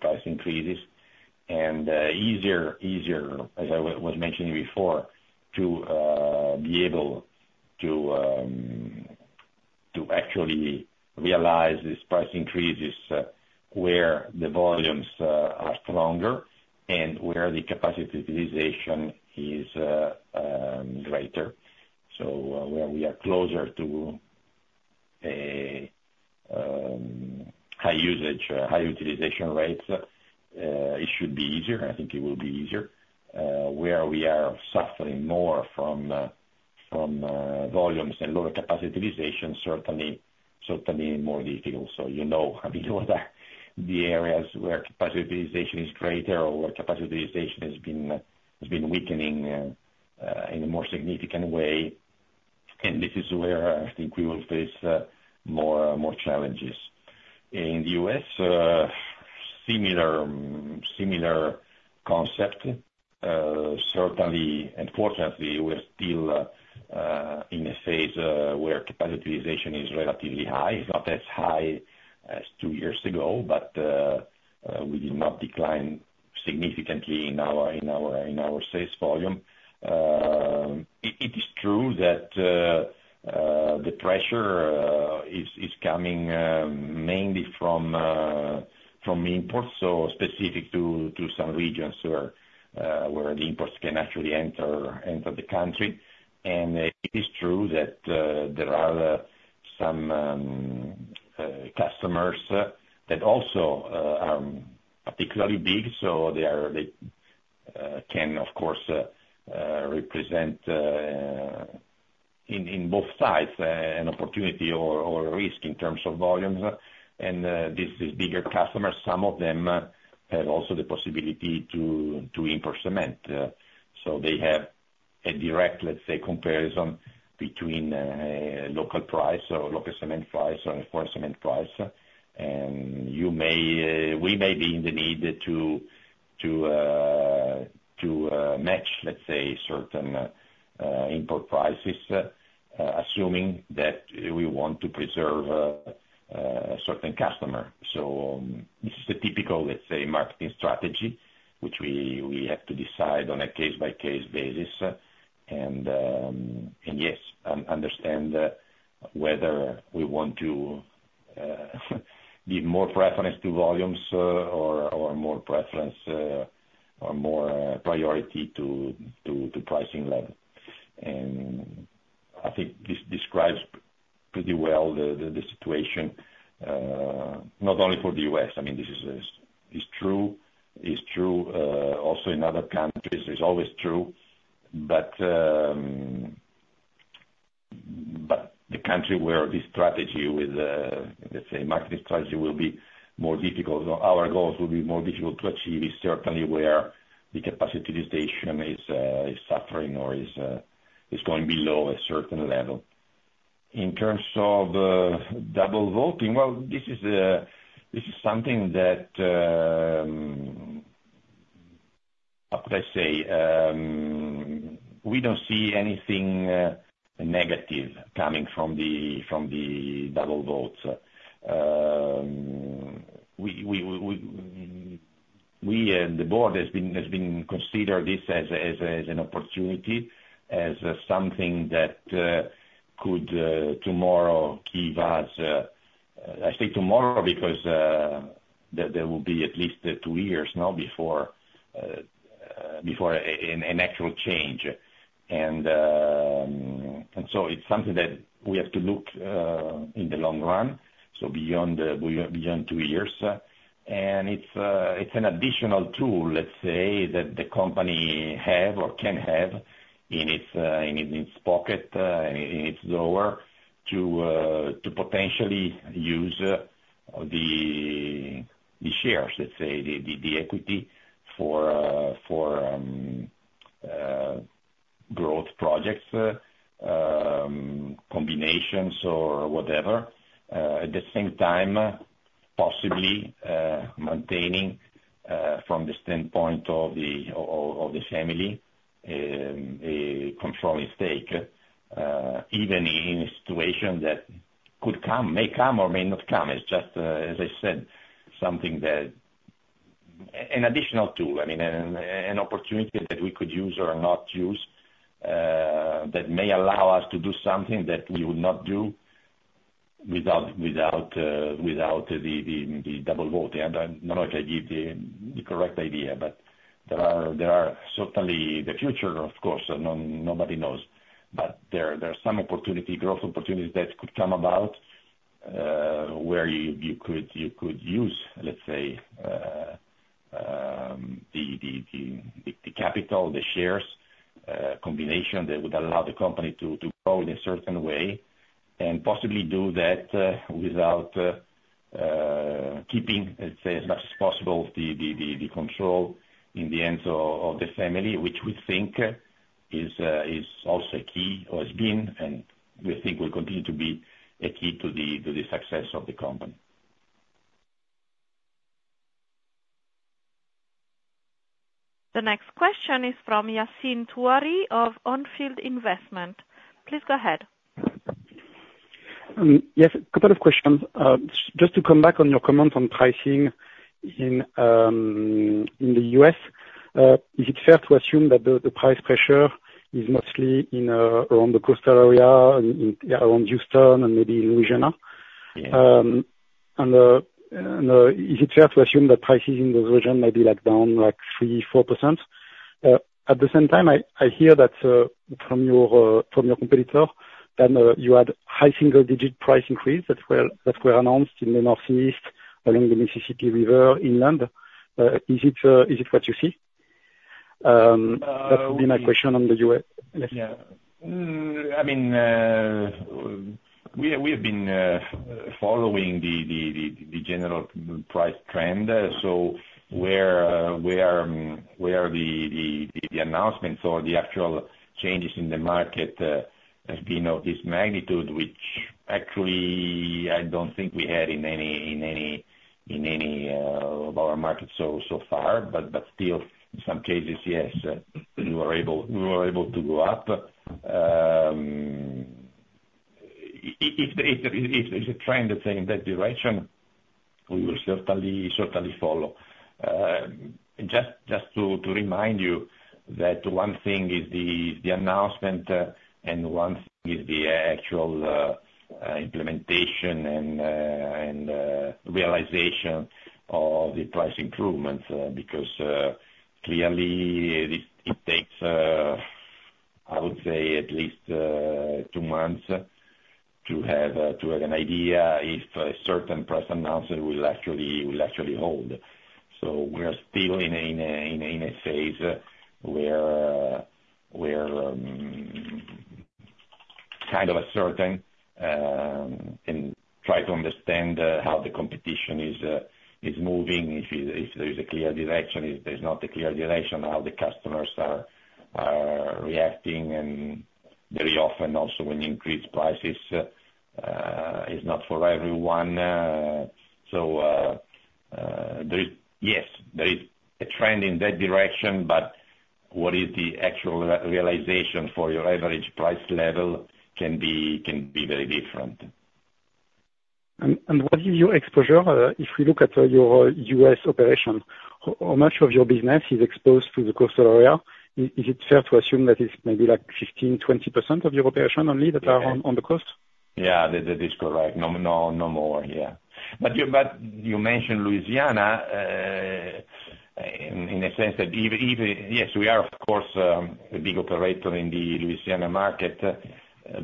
price increases and easier, as I was mentioning before, to be able to actually realize these price increases where the volumes are stronger and where the capacity utilization is greater. So where we are closer to high usage, high utilization rates, it should be easier. I think it will be easier. Where we are suffering more from volumes and lower capacity utilization, certainly more difficult. So you know, I mean, what are the areas where capacity utilization is greater or where capacity utilization has been weakening in a more significant way? And this is where, I think, we will face more challenges. In the U.S., similar concept. Certainly, and fortunately, we're still in a phase where capacity utilization is relatively high. It's not as high as two years ago, but we did not decline significantly in our sales volume. It is true that the pressure is coming mainly from imports, so specific to some regions where the imports can actually enter the country. It is true that there are some customers that also are particularly big. They can, of course, represent, in both sides, an opportunity or a risk in terms of volumes. These bigger customers, some of them have also the possibility to import cement. They have a direct, let's say, comparison between local price or local cement price or foreign cement price. We may be in the need to match, let's say, certain import prices, assuming that we want to preserve a certain customer. This is a typical, let's say, marketing strategy, which we have to decide on a case-by-case basis. And yes, understand whether we want to give more preference to volumes or more preference or more priority to pricing level. And I think this describes pretty well the situation, not only for the U.S. I mean, this is true. It's true also in other countries. It's always true. But the country where this strategy with, let's say, marketing strategy will be more difficult, our goals will be more difficult to achieve is certainly where the capacity utilization is suffering or is going below a certain level. In terms of double voting, well, this is something that, how could I say? We don't see anything negative coming from the double votes. We and the board has been considering this as an opportunity, as something that could, tomorrow, give us. I say tomorrow because there will be at least 2 years now before an actual change. And so it's something that we have to look in the long run, so beyond two years. And it's an additional tool, let's say, that the company has or can have in its pocket, in its drawer, to potentially use the shares, let's say, the equity for growth projects, combinations, or whatever. At the same time, possibly maintaining, from the standpoint of the family, a controlling stake, even in a situation that could come, may come, or may not come. It's just, as I said, something that an additional tool, I mean, an opportunity that we could use or not use that may allow us to do something that we would not do without the double voting. I don't know if I give the correct idea, but there are certainly the future, of course, nobody knows. But there are some opportunity, growth opportunities that could come about where you could use, let's say, the capital, the shares combination that would allow the company to grow in a certain way and possibly do that without keeping, let's say, as much as possible the control in the hands of the family, which we think is also a key or has been, and we think will continue to be a key to the success of the company. The next question is from Yassine Touahri of On Field Investment Research. Please go ahead. Yes. A couple of questions. Just to come back on your comments on pricing in the U.S., is it fair to assume that the price pressure is mostly around the coastal area, around Houston, and maybe Louisiana? And is it fair to assume that prices in those regions may be locked down like 3%-4%? At the same time, I hear that from your competitor that you had high single-digit price increases that were announced in the Northeast along the Mississippi River, inland. Is it what you see? That would be my question on the U.S. Yeah. I mean, we have been following the general price trend. So where are the announcements or the actual changes in the market have been of this magnitude, which actually, I don't think we had in any of our markets so far. But still, in some cases, yes, we were able to go up. If there is a trend that's in that direction, we will certainly follow. Just to remind you that one thing is the announcement and one thing is the actual implementation and realization of the price improvements because, clearly, it takes, I would say, at least two months to have an idea if a certain price announcement will actually hold. So we are still in a phase where we're kind of uncertain and try to understand how the competition is moving, if there is a clear direction. If there's not a clear direction, how the customers are reacting. And very often, also, when increased prices is not for everyone. So yes, there is a trend in that direction, but what is the actual realization for your average price level can be very different. And what is your exposure? If we look at your U.S. operation, how much of your business is exposed to the coastal area? Is it fair to assume that it's maybe like 15%-20% of your operation only that are on the coast? Yeah. That is correct. No more. Yeah. But you mentioned Louisiana in a sense that yes, we are, of course, a big operator in the Louisiana market.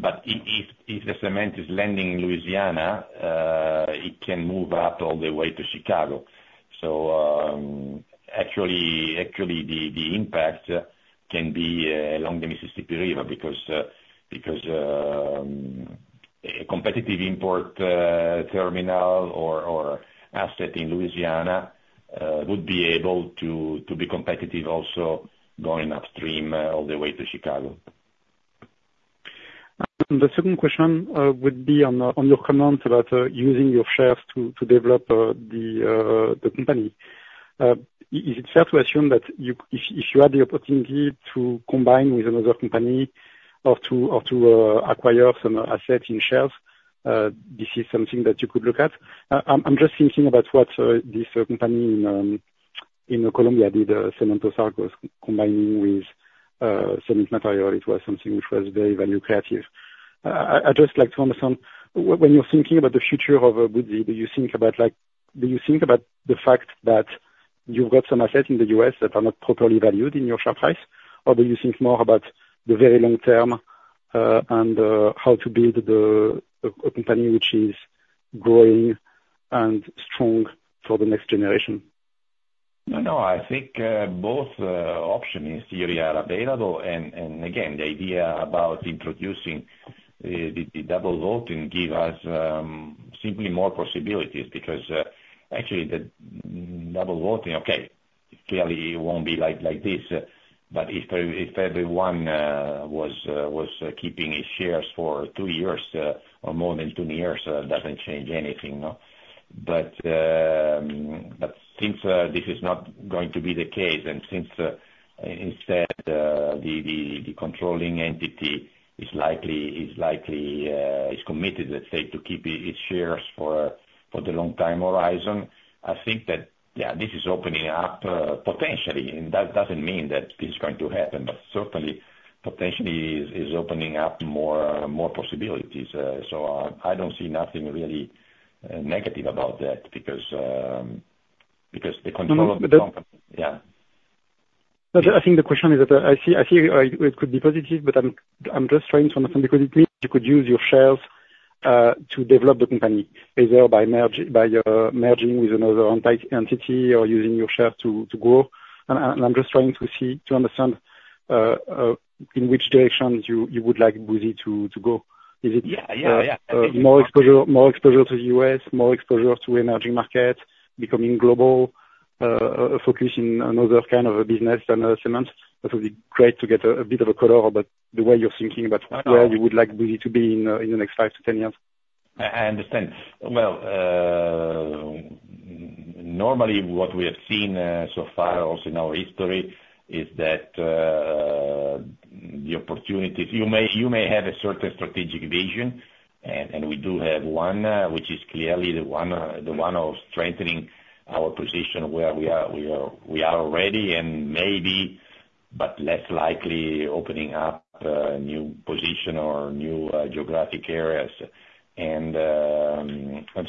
But if the cement is landing in Louisiana, it can move up all the way to Chicago. So actually, the impact can be along the Mississippi River because a competitive import terminal or asset in Louisiana would be able to be competitive also going upstream all the way to Chicago. The second question would be on your comments about using your shares to develop the company. Is it fair to assume that if you had the opportunity to combine with another company or to acquire some assets in shares, this is something that you could look at? I'm just thinking about what this company in Colombia did, Cementos Argos, combining with Summit Materials. It was something which was very value creative. I'd just like to understand, when you're thinking about the future of Buzzi, do you think about do you think about the fact that you've got some assets in the U.S. that are not properly valued in your share price, or do you think more about the very long term and how to build a company which is growing and strong for the next generation? No, no. I think both options are available. And again, the idea about introducing the double voting gives us simply more possibilities because, actually, the double voting, okay, clearly, it won't be like this. But if everyone was keeping his shares for two years or more than two years, that doesn't change anything, no? But since this is not going to be the case and since, instead, the controlling entity is likely committed, let's say, to keep its shares for the long-term horizon, I think that, yeah, this is opening up potentially. And that doesn't mean that this is going to happen, but certainly, potentially, it is opening up more possibilities. So I don't see nothing really negative about that because the control of the company yeah. I think the question is that I see it could be positive, but I'm just trying to understand because it means you could use your shares to develop the company, either by merging with another entity or using your shares to grow. And I'm just trying to understand in which direction you would like Buzzi to go. Is it more exposure to the U.S., more exposure to emerging markets, becoming global, a focus in another kind of business than cement? That would be great to get a bit of a color about the way you're thinking about where you would like Buzzi to be in the next 5-10 years. I understand. Well, normally, what we have seen so far, also in our history, is that the opportunities you may have a certain strategic vision, and we do have one, which is clearly the one of strengthening our position where we are already and maybe, but less likely, opening up new positions or new geographic areas. And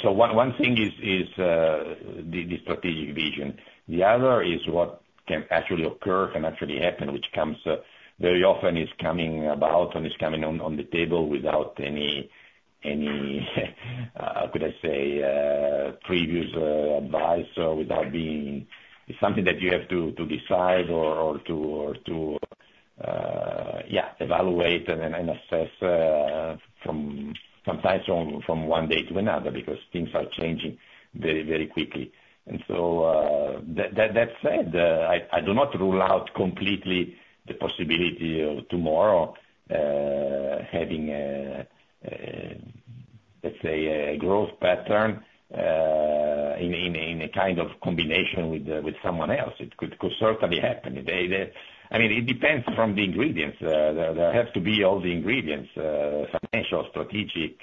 so one thing is the strategic vision. The other is what can actually occur, can actually happen, which very often is coming about and is coming on the table without any, how could I say, previous advice, without being it's something that you have to decide or to, yeah, evaluate and assess sometimes from one day to another because things are changing very, very quickly. And so that said, I do not rule out completely the possibility of tomorrow having, let's say, a growth pattern in a kind of combination with someone else. It could certainly happen. I mean, it depends from the ingredients. There have to be all the ingredients: financial, strategic,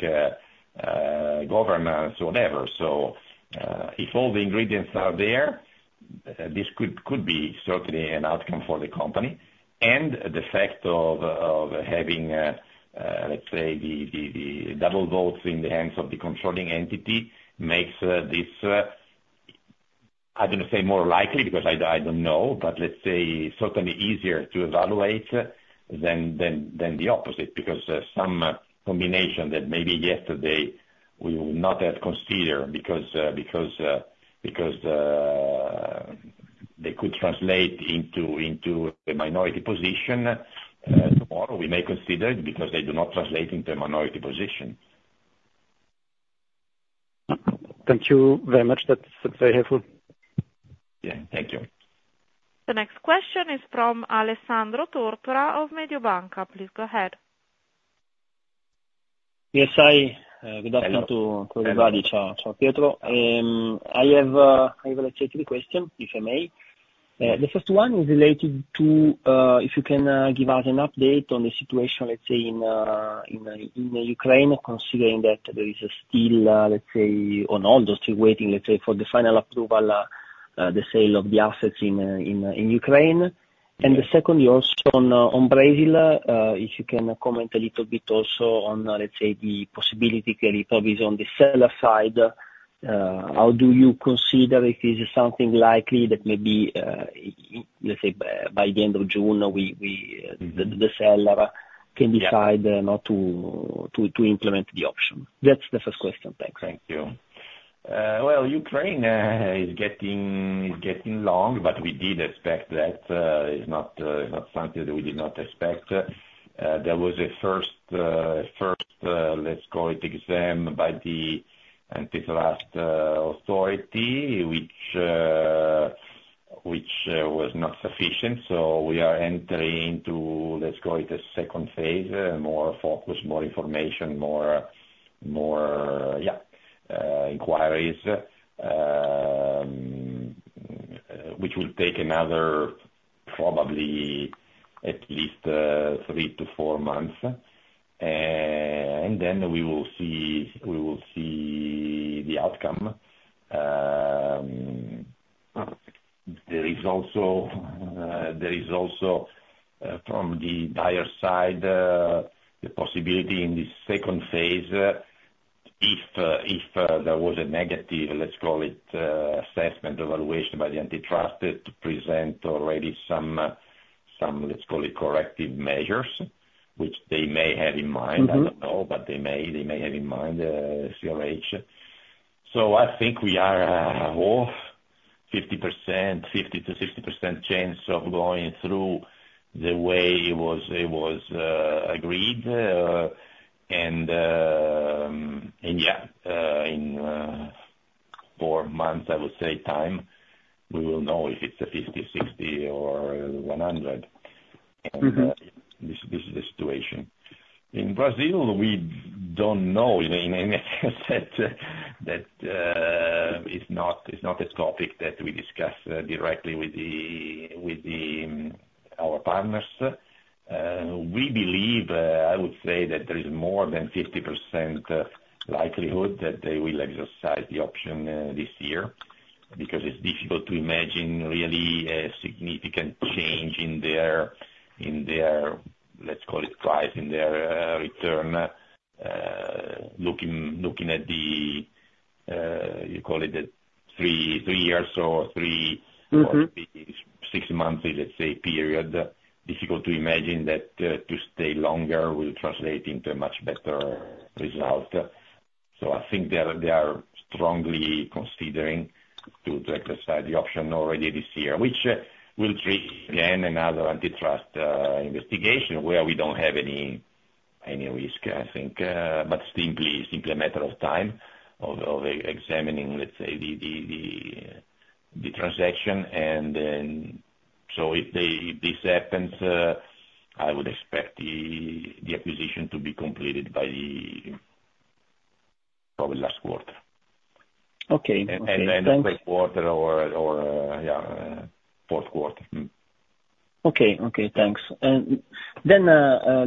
governance, whatever. So if all the ingredients are there, this could be certainly an outcome for the company. The fact of having, let's say, the double votes in the hands of the controlling entity makes this, I don't want to say more likely because I don't know, but let's say certainly easier to evaluate than the opposite because some combination that maybe yesterday we would not have considered because they could translate into a minority position, tomorrow, we may consider it because they do not translate into a minority position. Thank you very much. That's very helpful. Yeah. Thank you. The next question is from Alessandro Tortora of Mediobanca. Please go ahead. Yes. Good afternoon to everybody. Ciao, Pietro. I have a question, if I may. The first one is related to if you can give us an update on the situation, let's say, in Ukraine, considering that there is still, let's say, or not, they're still waiting, let's say, for the final approval, the sale of the assets in Ukraine. And the second is also on Brazil. If you can comment a little bit also on, let's say, the possibility that it probably is on the seller side, how do you consider if it is something likely that maybe, let's say, by the end of June, the seller can decide not to implement the option? That's the first question. Thanks. Thank you. Well, Ukraine is getting long, but we did expect that. It's not something that we did not expect. There was a first, let's call it, exam by the antitrust authority, which was not sufficient. So we are entering into, let's call it, a second phase, more focus, more information, more, yeah, inquiries, which will take another, probably, at least 3-4 months. And then we will see the outcome. There is also, from the buyer side, the possibility in this second phase, if there was a negative, let's call it, assessment, evaluation by the antitrust to present already some, let's call it, corrective measures, which they may have in mind. I don't know, but they may have in mind, CRH. So I think we are off 50%, 50%-60% chance of going through the way it was agreed. And yeah, in 4 months, I would say, time, we will know if it's a 50, 60, or 100. And this is the situation. In Brazil, we don't know. In any sense, that is not a topic that we discuss directly with our partners. We believe, I would say, that there is more than 50% likelihood that they will exercise the option this year because it's difficult to imagine really a significant change in their, let's call it, price, in their return. Looking at the, you call it, three years or three or six-monthly, let's say, period, difficult to imagine that to stay longer will translate into a much better result. So I think they are strongly considering to exercise the option already this year, which will trigger, again, another antitrust investigation where we don't have any risk, I think, but simply a matter of time of examining, let's say, the transaction. And so if this happens, I would expect the acquisition to be completed by probably last quarter. Okay. And then the third quarter or, yeah, fourth quarter. Okay. Okay. Thanks. And then,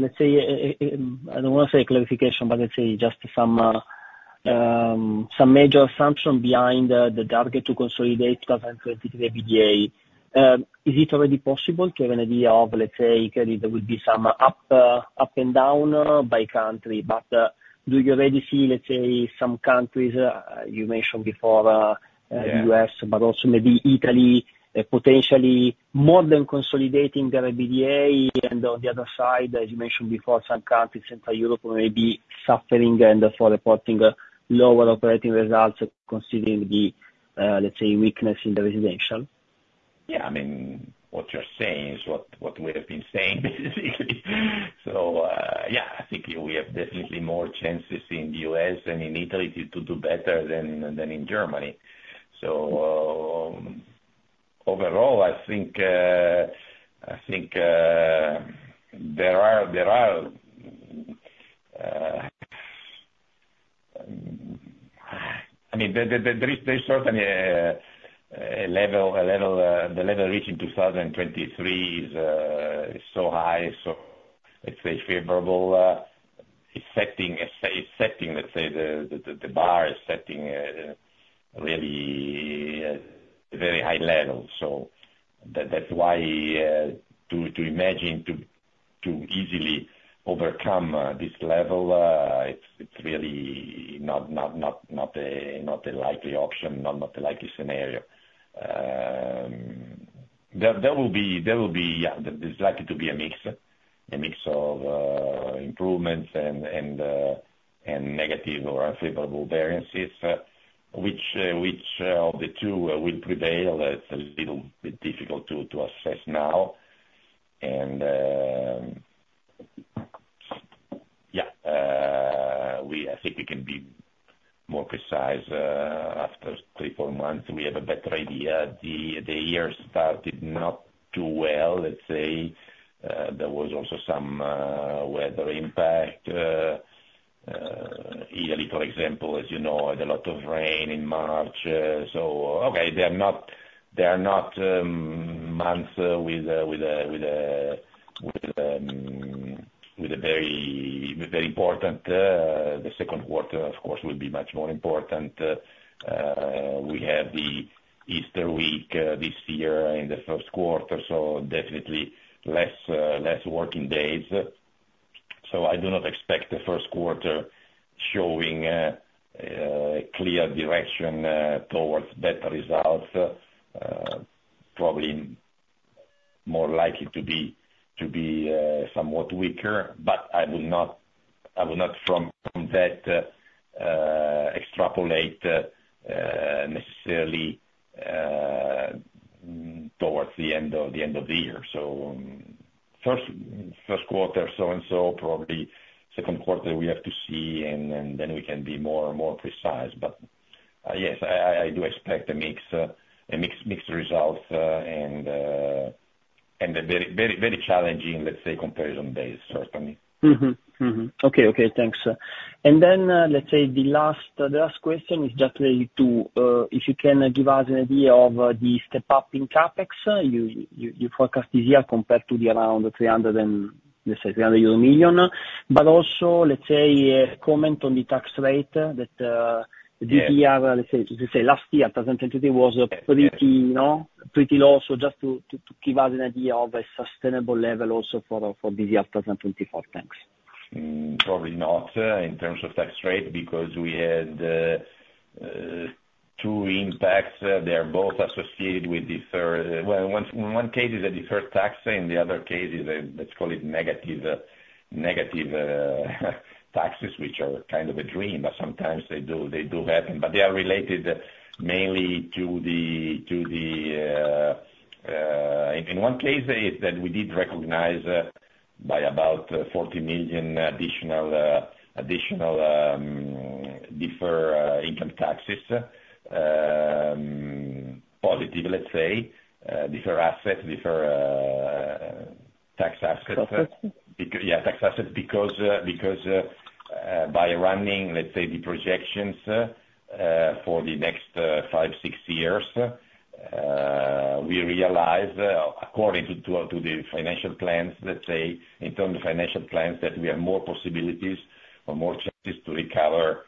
let's say, I don't want to say clarification, but let's say just some major assumption behind the target to consolidate 2023 EBITDA. Is it already possible to have an idea of, let's say, that there will be some up and down by country? But do you already see, let's say, some countries you mentioned before, the U.S., but also maybe Italy, potentially more than consolidating their EBITDA? And on the other side, as you mentioned before, some countries, Central Europe, may be suffering and therefore reporting lower operating results considering the, let's say, weakness in the residential? Yeah. I mean, what you're saying is what we have been saying, basically. So yeah, I think we have definitely more chances in the U.S. than in Italy to do better than in Germany. So overall, I think there are I mean, there is certainly a level the level reached in 2023 is so high, so, let's say, favorable. It's setting, let's say, the bar is setting really a very high level. So that's why to imagine to easily overcome this level, it's really not a likely option, not a likely scenario. There will be, yeah, there's likely to be a mix, a mix of improvements and negative or unfavorable variances, which of the two will prevail. It's a little bit difficult to assess now. And yeah, I think we can be more precise after three, four months. We have a better idea. The year started not too well, let's say. There was also some weather impact. Italy, for example, as you know, had a lot of rain in March. So, okay, they are not months with a very important the second quarter, of course, will be much more important. We have the Easter week this year in the first quarter, so definitely less working days. So I do not expect the first quarter showing a clear direction towards better results, probably more likely to be somewhat weaker. But I would not, from that, extrapolate necessarily towards the end of the year. So first quarter, so and so, probably second quarter, we have to see, and then we can be more precise. But yes, I do expect a mixed result and a very, very challenging, let's say, comparison day, certainly. Okay. Okay. Thanks. And then, let's say, the last question is just related to if you can give us an idea of the step-up in CapEx. You forecast this year compared to the around, let's say, 300 million euro, but also, let's say, a comment on the tax rate that this year, let's say, last year, 2023, was pretty low. So just to give us an idea of a sustainable level also for this year, 2024. Thanks. Probably not in terms of tax rate because we had two impacts. They are both associated with the third well, in one case, it's a deferred tax. In the other case, let's call it negative taxes, which are kind of a dream, but sometimes they do happen. But they are related mainly to the in one case, that we did recognize by about 40 million additional deferred income taxes, positive, let's say, deferred assets, deferred tax assets. Tax assets? Yeah, tax assets because by running, let's say, the projections for the next 5, 6 years, we realize, according to the financial plans, let's say, in terms of financial plans, that we have more possibilities or more chances to recover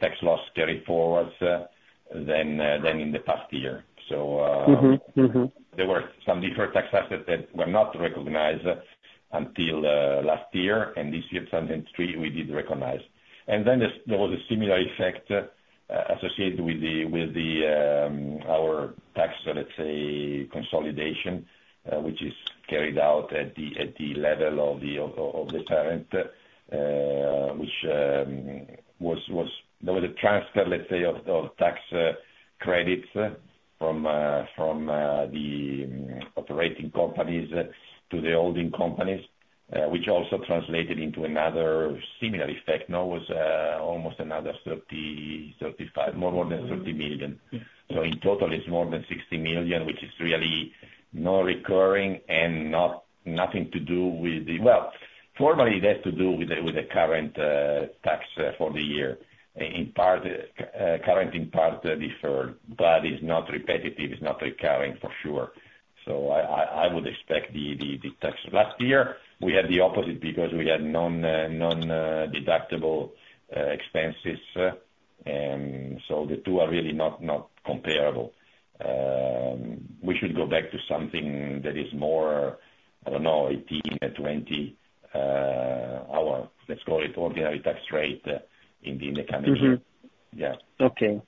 tax loss carried forward than in the past year. So there were some deferred tax assets that were not recognized until last year. And this year, 2023, we did recognize. And then there was a similar effect associated with our tax, let's say, consolidation, which is carried out at the level of the parent, which was a transfer, let's say, of tax credits from the operating companies to the holding companies, which also translated into another similar effect. Now, it was almost another 35 million, more than 30 million. So in total, it's more than 60 million, which is really not recurring and nothing to do with the, well, formally, it has to do with the current tax for the year. Current, in part, deferred, but it's not repetitive. It's not recurring, for sure. So I would expect the tax last year, we had the opposite because we had non-deductible expenses. And so the two are really not comparable. We should go back to something that is more, I don't know, 18%-20%, our, let's call it, ordinary tax rate in the coming year. Yeah. Okay.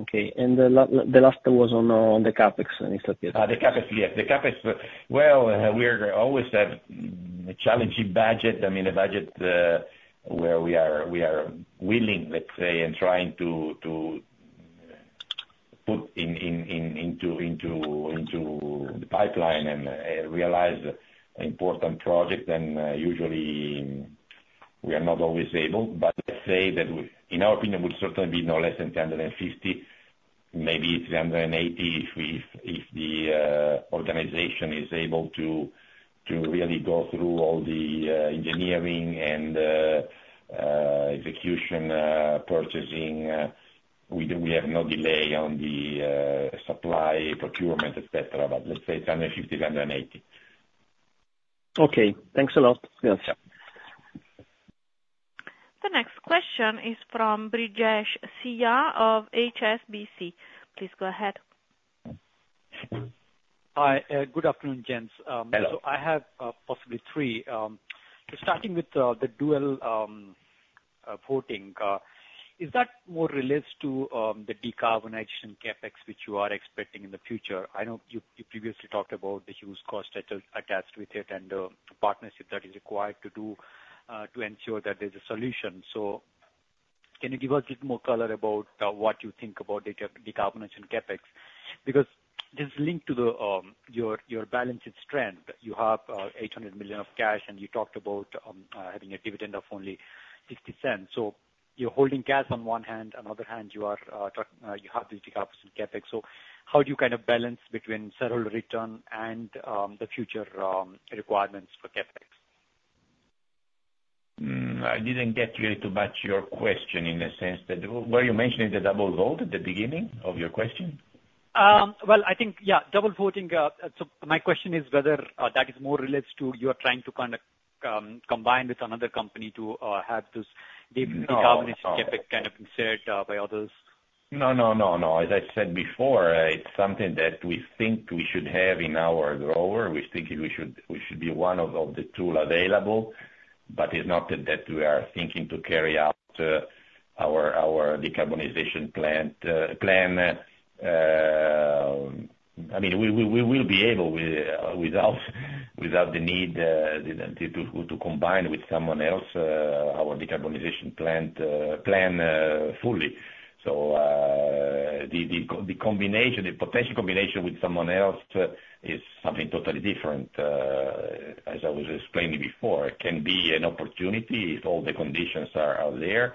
Okay. And the last one was on the CapEx, Mr. Pietro. The CapEx, yes. The CapEx, well, we always have a challenging budget. I mean, a budget where we are willing, let's say, and trying to put into the pipeline and realize an important project. And usually, we are not always able. But let's say that, in our opinion, would certainly be no less than 350. Maybe 380 if the organization is able to really go through all the engineering and execution purchasing. We have no delay on the supply, procurement, etc. But let's say 350, 380. Okay. Thanks a lot. Yes. The next question is from Brijesh Siya of HSBC. Please go ahead. Hi. Good afternoon, gents. Hello. So I have possibly three. So starting with the dual voting, is that more related to the decarbonization CapEx which you are expecting in the future? I know you previously talked about the huge cost attached with it and the partnership that is required to ensure that there's a solution. So can you give us a little more color about what you think about decarbonization CapEx? Because this is linked to your balance sheet strength. You have 800 million of cash, and you talked about having a dividend of only 0.60. So you're holding cash on one hand. On the other hand, you have this decarbonization CapEx. So how do you kind of balance between shareholder return and the future requirements for CapEx? I didn't get really to match your question in the sense that were you mentioning the double voting at the beginning of your question? Well, I think, yeah, double voting. So my question is whether that is more related to you are trying to kind of combine with another company to have this decarbonization CapEx kind of invest by others. No, no, no, no. As I said before, it's something that we think we should have in our governance. We think we should be one of the two available, but it's not that we are thinking to carry out our decarbonization plan. I mean, we will be able without the need to combine with someone else our decarbonization plan fully. So the potential combination with someone else is something totally different. As I was explaining before, it can be an opportunity if all the conditions are there,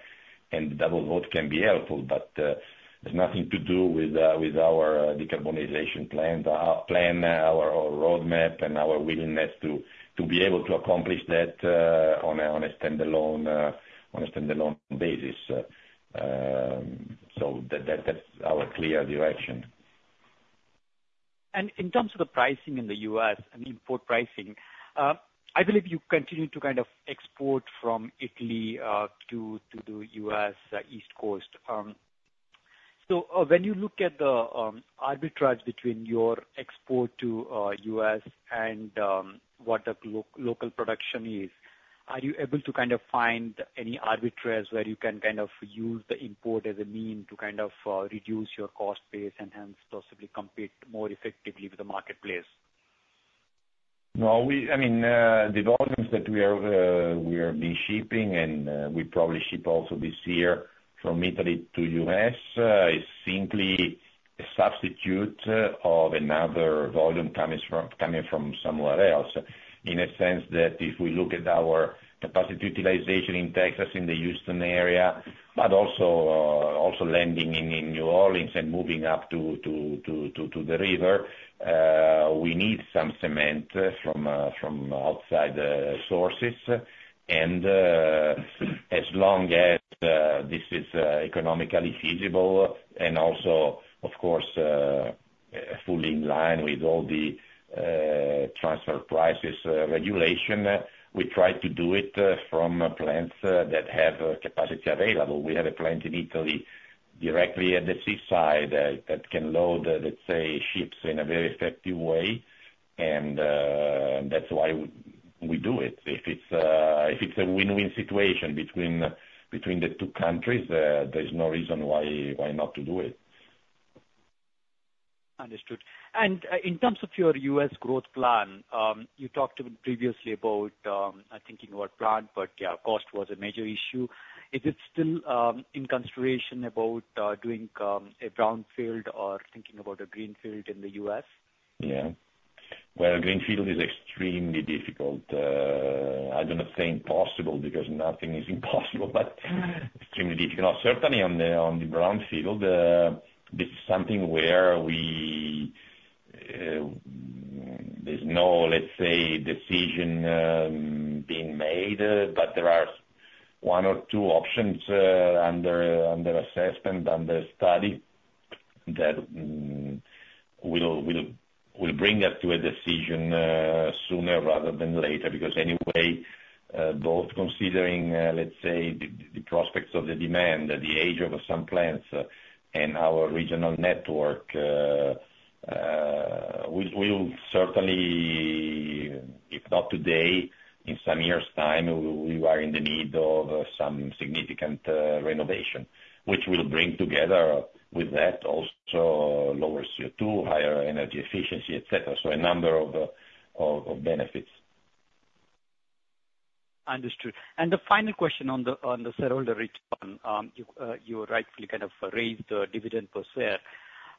and the double voting can be helpful. But there's nothing to do with our decarbonization plan, our roadmap, and our willingness to be able to accomplish that on a standalone basis. So that's our clear direction. And in terms of the pricing in the U.S. and import pricing, I believe you continue to kind of export from Italy to the U.S. East Coast. So when you look at the arbitrage between your export to U.S. and what the local production is, are you able to kind of find any arbitrage where you can kind of use the import as a means to kind of reduce your cost base and hence possibly compete more effectively with the marketplace? No. I mean, the volumes that we are being shipping, and we probably ship also this year from Italy to U.S., is simply a substitute of another volume coming from somewhere else in a sense that if we look at our capacity utilization in Texas in the Houston area, but also landing in New Orleans and moving up to the river, we need some cement from outside sources. As long as this is economically feasible and also, of course, fully in line with all the transfer prices regulation, we try to do it from plants that have capacity available. We have a plant in Italy directly at the seaside that can load, let's say, ships in a very effective way. And that's why we do it. If it's a win-win situation between the two countries, there's no reason why not to do it. Understood. And in terms of your U.S. growth plan, you talked previously about thinking about plan, but yeah, cost was a major issue. Is it still in consideration about doing a brownfield or thinking about a greenfield in the U.S.? Yeah. Well, a greenfield is extremely difficult. I do not say impossible because nothing is impossible, but extremely difficult. Certainly, on the brownfield, this is something where there's no, let's say, decision being made. But there are one or two options under assessment, under study that will bring us to a decision sooner rather than later because anyway, both considering, let's say, the prospects of the demand, the age of some plants, and our regional network, we will certainly, if not today, in some years' time, we are in the need of some significant renovation, which will bring together with that also lower CO2, higher energy efficiency, etc. So a number of benefits. Understood. And the final question on the shareholder return, you rightfully kind of raised the dividend per share.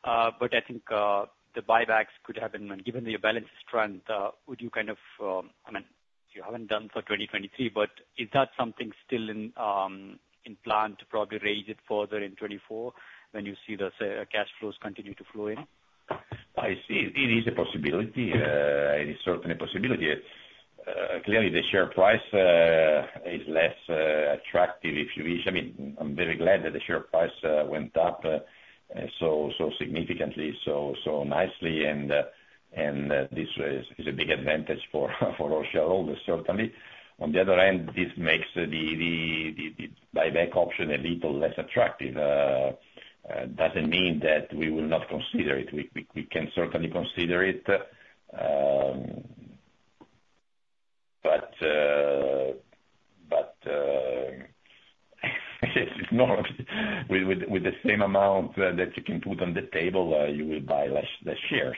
But I think the buybacks could have been given that your balance is strong. Would you kind of—I mean, you haven't done for 2023, but is that something still in plan to probably raise it further in 2024 when you see the cash flows continue to flow in? I see. It is a possibility. It is certainly a possibility. Clearly, the share price is less attractive if you wish. I mean, I'm very glad that the share price went up so significantly, so nicely. This is a big advantage for our shareholders, certainly. On the other hand, this makes the buyback option a little less attractive. Doesn't mean that we will not consider it. We can certainly consider it. With the same amount that you can put on the table, you will buy less shares.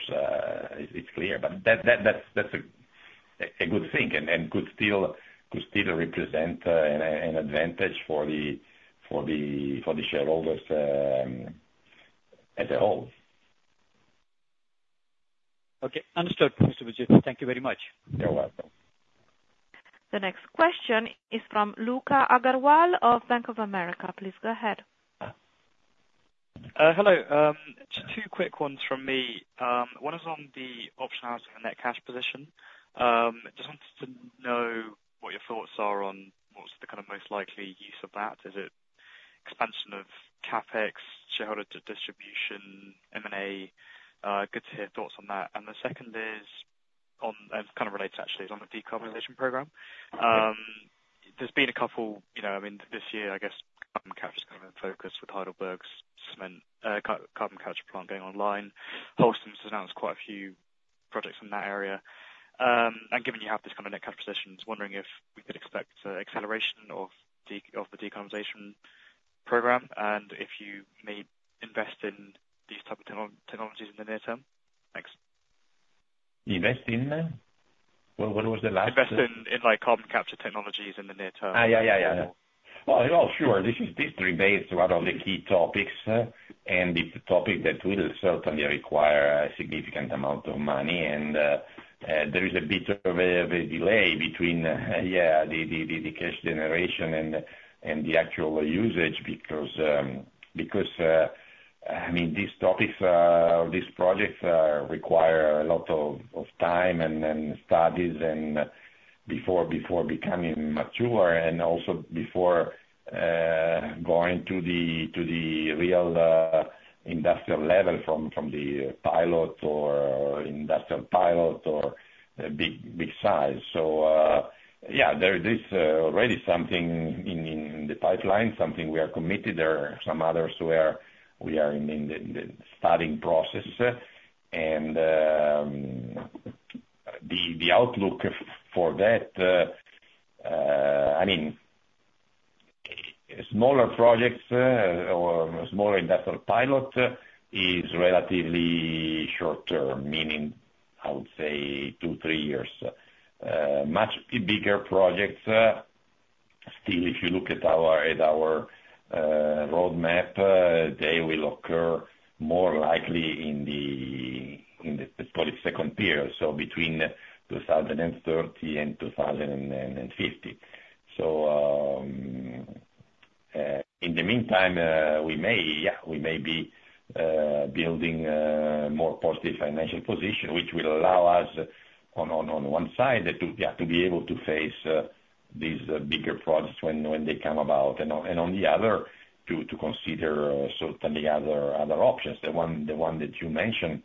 It's clear. That's a good thing and could still represent an advantage for the shareholders as a whole. Okay. Understood, Mr. Buzzi. Thank you very much. You're welcome. The next question is from Luka Agrawal of Bank of America. Please go ahead. Hello. Just two quick ones from me. One is on the optionality of a net cash position. Just wanted to know what your thoughts are on what's the kind of most likely use of that. Is it expansion of CapEx, shareholder distribution, M&A? Good to hear thoughts on that. And the second is kind of related, actually, is on the decarbonization program. There's been a couple I mean, this year, I guess, carbon capture has kind of been focused with Heidelberg's carbon capture plant going online. Holcim has announced quite a few projects in that area. And given you have this kind of net cash position, I was wondering if we could expect acceleration of the decarbonization program and if you may invest in these type of technologies in the near term. Next. Invest in them? What was the last? Invest in carbon capture technologies in the near term. Yeah, yeah, yeah, yeah. Well, sure. These three days are one of the key topics and the topic that will certainly require a significant amount of money. There is a bit of a delay between, yeah, the cash generation and the actual usage because, I mean, these topics or these projects require a lot of time and studies before becoming mature and also before going to the real industrial level from the industrial pilot or big size. Yeah, there is already something in the pipeline, something we are committed. There are some others where we are in the studying process. The outlook for that, I mean, smaller projects or smaller industrial pilot is relatively short-term, meaning, I would say, two, three years. Much bigger projects, still, if you look at our roadmap, they will occur more likely in the, let's call it, second period, so between 2030 and 2050. So in the meantime, yeah, we may be building a more positive financial position, which will allow us, on one side, yeah, to be able to face these bigger projects when they come about. And on the other, to consider certainly other options. The one that you mentioned,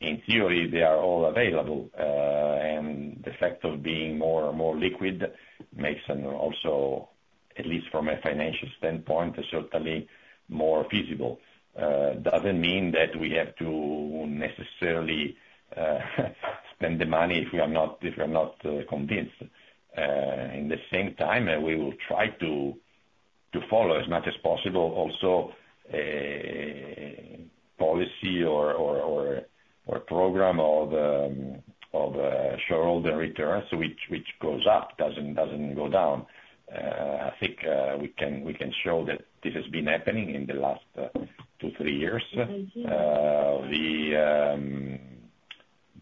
in theory, they are all available. And the fact of being more liquid makes them also, at least from a financial standpoint, certainly more feasible. Doesn't mean that we have to necessarily spend the money if we are not convinced. In the same time, we will try to follow, as much as possible, also policy or program of shareholder returns, which goes up, doesn't go down. I think we can show that this has been happening in the last two, three years.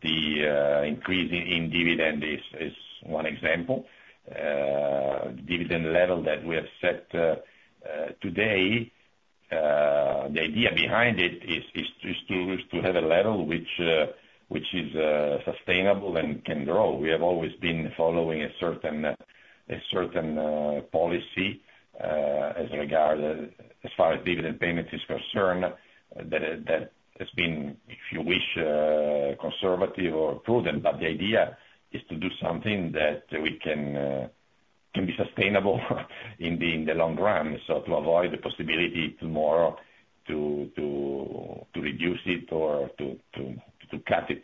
The increase in dividend is one example. The dividend level that we have set today, the idea behind it is to have a level which is sustainable and can grow. We have always been following a certain policy as far as dividend payments is concerned that has been, if you wish, conservative or prudent. But the idea is to do something that can be sustainable in the long run, so to avoid the possibility tomorrow to reduce it or to cut it.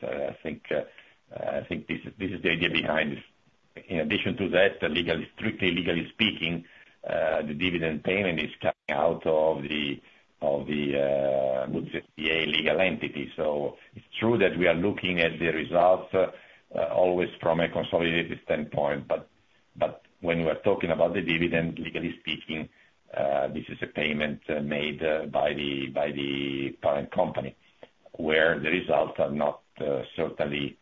I think this is the idea behind it. In addition to that, strictly legally speaking, the dividend payment is coming out of the Buzzi S.p.A. legal entity. So it's true that we are looking at the results always from a consolidated standpoint. But when we are talking about the dividend, legally speaking, this is a payment made by the parent company where the results are not certainly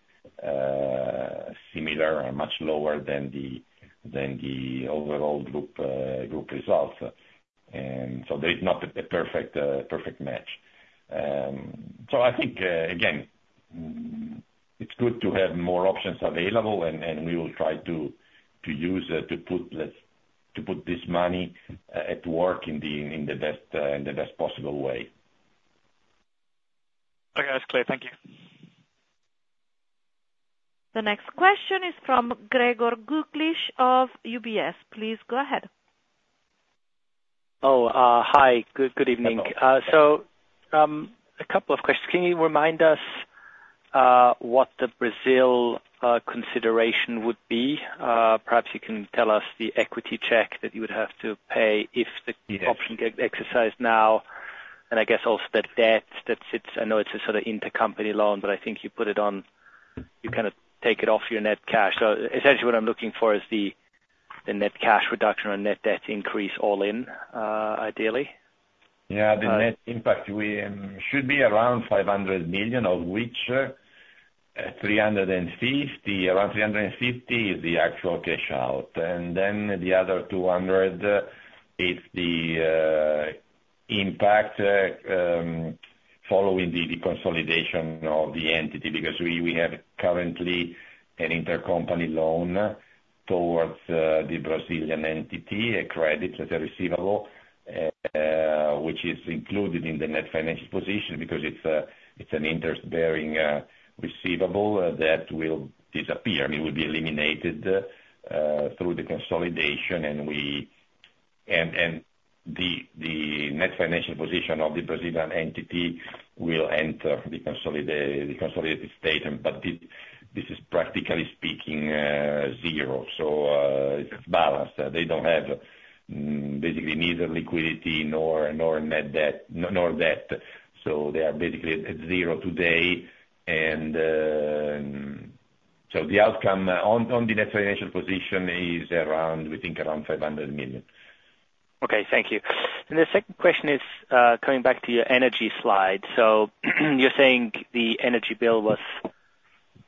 similar or much lower than the overall group results. And so there is not a perfect match. So I think, again, it's good to have more options available, and we will try to use it to put this money at work in the best possible way. Okay. That's clear. Thank you. The next question is from Gregor Kuglitsch of UBS. Please go ahead. Oh, hi. Good evening. So a couple of questions. Can you remind us what the Brazil consideration would be? Perhaps you can tell us the equity check that you would have to pay if the option gets exercised now. And I guess also the debt that sits. I know it's a sort of intercompany loan, but I think you put it on. You kind of take it off your net cash. So essentially, what I'm looking for is the net cash reduction or net debt increase all in, ideally. Yeah. The net impact should be around 500 million, of which around 350 million is the actual cash out. And then the other 200 million is the impact following the consolidation of the entity because we have currently an intercompany loan towards the Brazilian entity, a credit that's a receivable, which is included in the net financial position because it's an interest-bearing receivable that will disappear. It will be eliminated through the consolidation. And the net financial position of the Brazilian entity will enter the consolidated statement. But this is, practically speaking, zero. So it's balanced. They don't have basically neither liquidity nor net debt. So they are basically at zero today. And so the outcome on the net financial position is, we think, around 500 million. Okay. Thank you. And the second question is coming back to your energy slide. So you're saying the energy bill was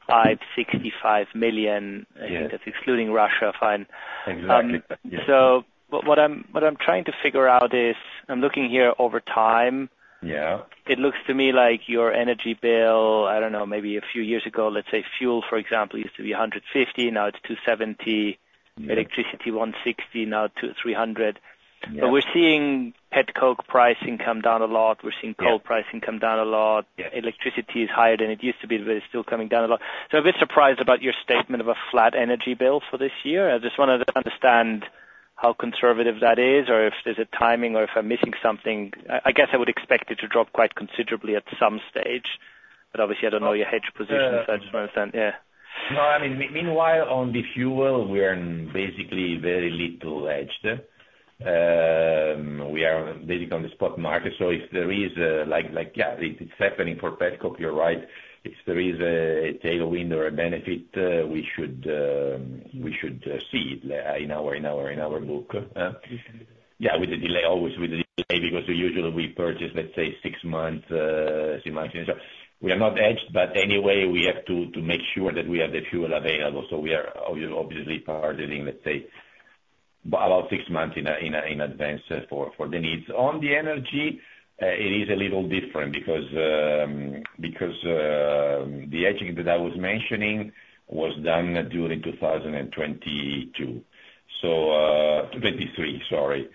565 million, I think, that's excluding Russia. Fine. Exactly. So what I'm trying to figure out is I'm looking here over time. It looks to me like your energy bill, I don't know, maybe a few years ago, let's say fuel, for example, used to be 150. Now it's 270. Electricity, 160. Now it's 300. But we're seeing petcoke pricing come down a lot. We're seeing coal pricing come down a lot. Electricity is higher than it used to be, but it's still coming down a lot. So I'm a bit surprised about your statement of a flat energy bill for this year. I just wanted to understand how conservative that is or if there's a timing or if I'm missing something. I guess I would expect it to drop quite considerably at some stage. But obviously, I don't know your hedge position, so I just want to understand. Yeah. No, I mean, meanwhile, on the fuel, we are basically very little hedged. We are basically on the spot market. So if there is yeah, it's happening for petcoke. You're right. If there is a tailwind or a benefit, we should see it in our book. Yeah, with the delay, always with the delay because usually, we purchase, let's say, six months in advance. So we are not hedged. But anyway, we have to make sure that we have the fuel available. So we are obviously targeting, let's say, about six months in advance for the needs. On the energy, it is a little different because the hedging that I was mentioning was done during 2022-2023, sorry,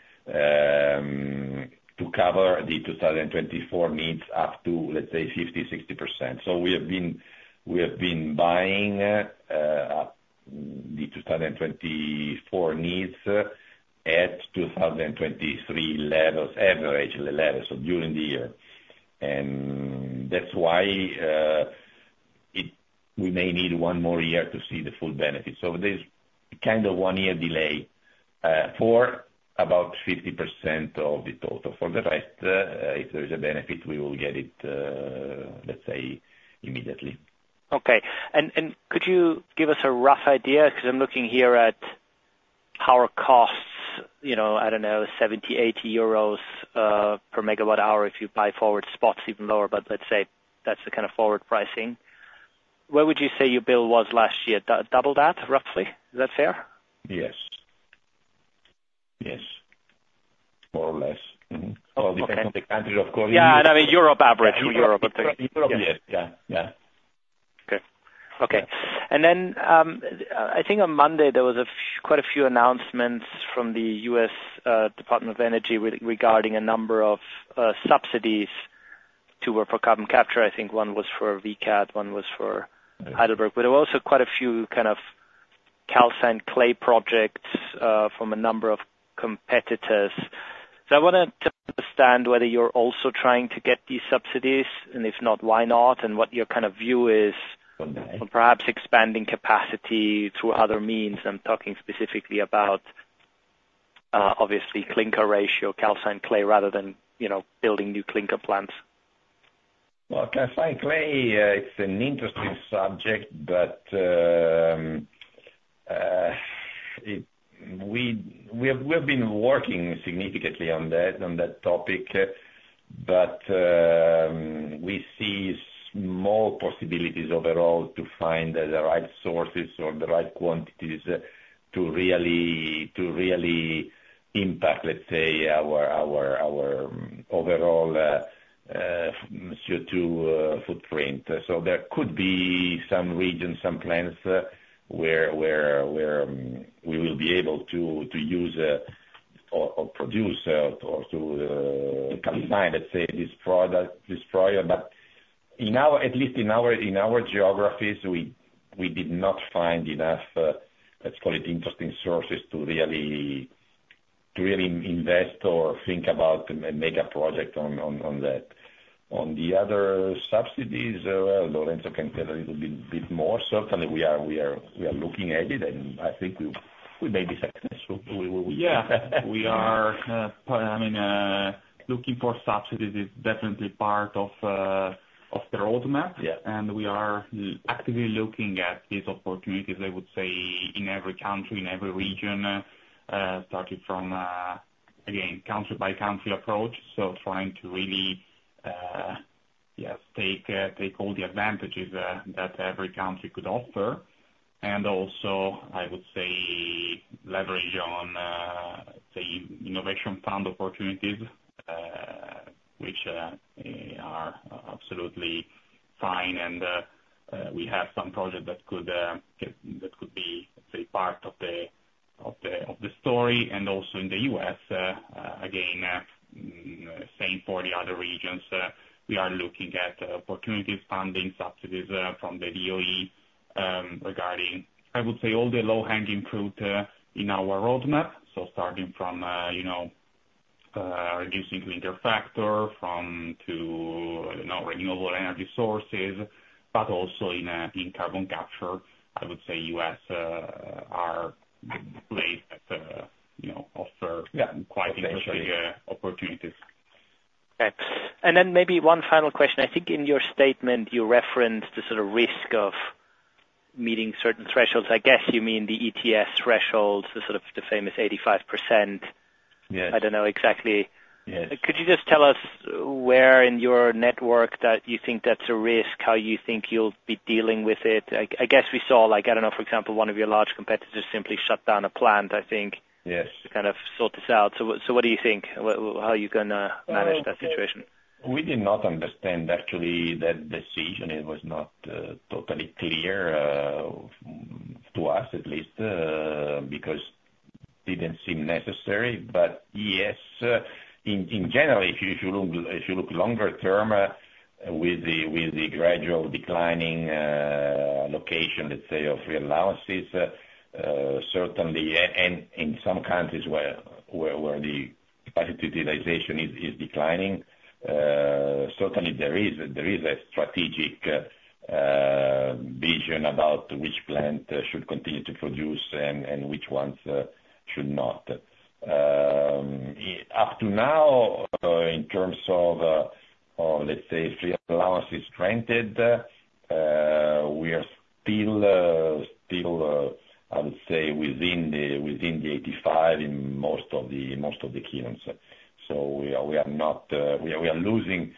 to cover the 2024 needs up to, let's say, 50%-60%. So we have been buying the 2024 needs at 2023 levels, average levels, so during the year. And that's why we may need one more year to see the full benefit. So there's kind of one-year delay for about 50% of the total. For the rest, if there is a benefit, we will get it, let's say, immediately. Okay. And could you give us a rough idea? Because I'm looking here at power costs, I don't know, 70-80 euros per MWh if you buy forward spots, even lower. But let's say that's the kind of forward pricing. Where would you say your bill was last year? Doubled that, roughly? Is that fair? Yes. Yes, more or less. It all depends on the country. Of course, it is. Yeah. And I mean, Europe average for Europe, I think. Europe, yes. Yeah, yeah. Okay. Okay. And then I think on Monday, there was quite a few announcements from the U.S. Department of Energy regarding a number of subsidies for carbon capture. I think one was for Vicat. One was for Heidelberg. But there were also quite a few kind of calcined clay projects from a number of competitors. So I wanted to understand whether you're also trying to get these subsidies. And if not, why not? And what your kind of view is on perhaps expanding capacity through other means. And I'm talking specifically about, obviously, clinker ratio, calcined clay, rather than building new clinker plants. Well, calcined clay, it's an interesting subject. But we have been working significantly on that topic. But we see small possibilities overall to find the right sources or the right quantities to really impact, let's say, our overall CO2 footprint. So there could be some regions, some plants where we will be able to use or produce or to combine, let's say, this project. But at least in our geographies, we did not find enough, let's call it, interesting sources to really invest or think about and make a project on that. On the other subsidies, well, Lorenzo can tell a little bit more. Certainly, we are looking at it. I think we may be successful. Yeah. We are, I mean, looking for subsidies. It's definitely part of the roadmap. We are actively looking at these opportunities, I would say, in every country, in every region, starting from, again, country-by-country approach, so trying to really, yeah, take all the advantages that every country could offer. And also, I would say, leverage on, say, Innovation Fund opportunities, which are absolutely fine. We have some projects that could be, let's say, part of the story. And also in the U.S., again, same for the other regions. We are looking at opportunities, funding, subsidies from the DOE regarding, I would say, all the low-hanging fruit in our roadmap, so starting from reducing clinker factor to renewable energy sources. But also in carbon capture, I would say U.S. are the place that offer quite interesting opportunities. Okay. Then maybe one final question. I think in your statement, you referenced the sort of risk of meeting certain thresholds. I guess you mean the ETS thresholds, the sort of the famous 85%. I don't know exactly. Could you just tell us where in your network that you think that's a risk, how you think you'll be dealing with it? I guess we saw, I don't know, for example, one of your large competitors simply shut down a plant, I think, to kind of sort this out. So what do you think? How are you going to manage that situation? We did not understand, actually, that decision. It was not totally clear to us, at least, because it didn't seem necessary. But yes, in general, if you look longer-term with the gradual declining allocation, let's say, of free allowances, certainly and in some countries where the capacity utilization is declining, certainly, there is a strategic vision about which plant should continue to produce and which ones should not. Up to now, in terms of, let's say, free allowances granted, we are still, I would say, within the 85% in most of the kilns. So we are not. We are losing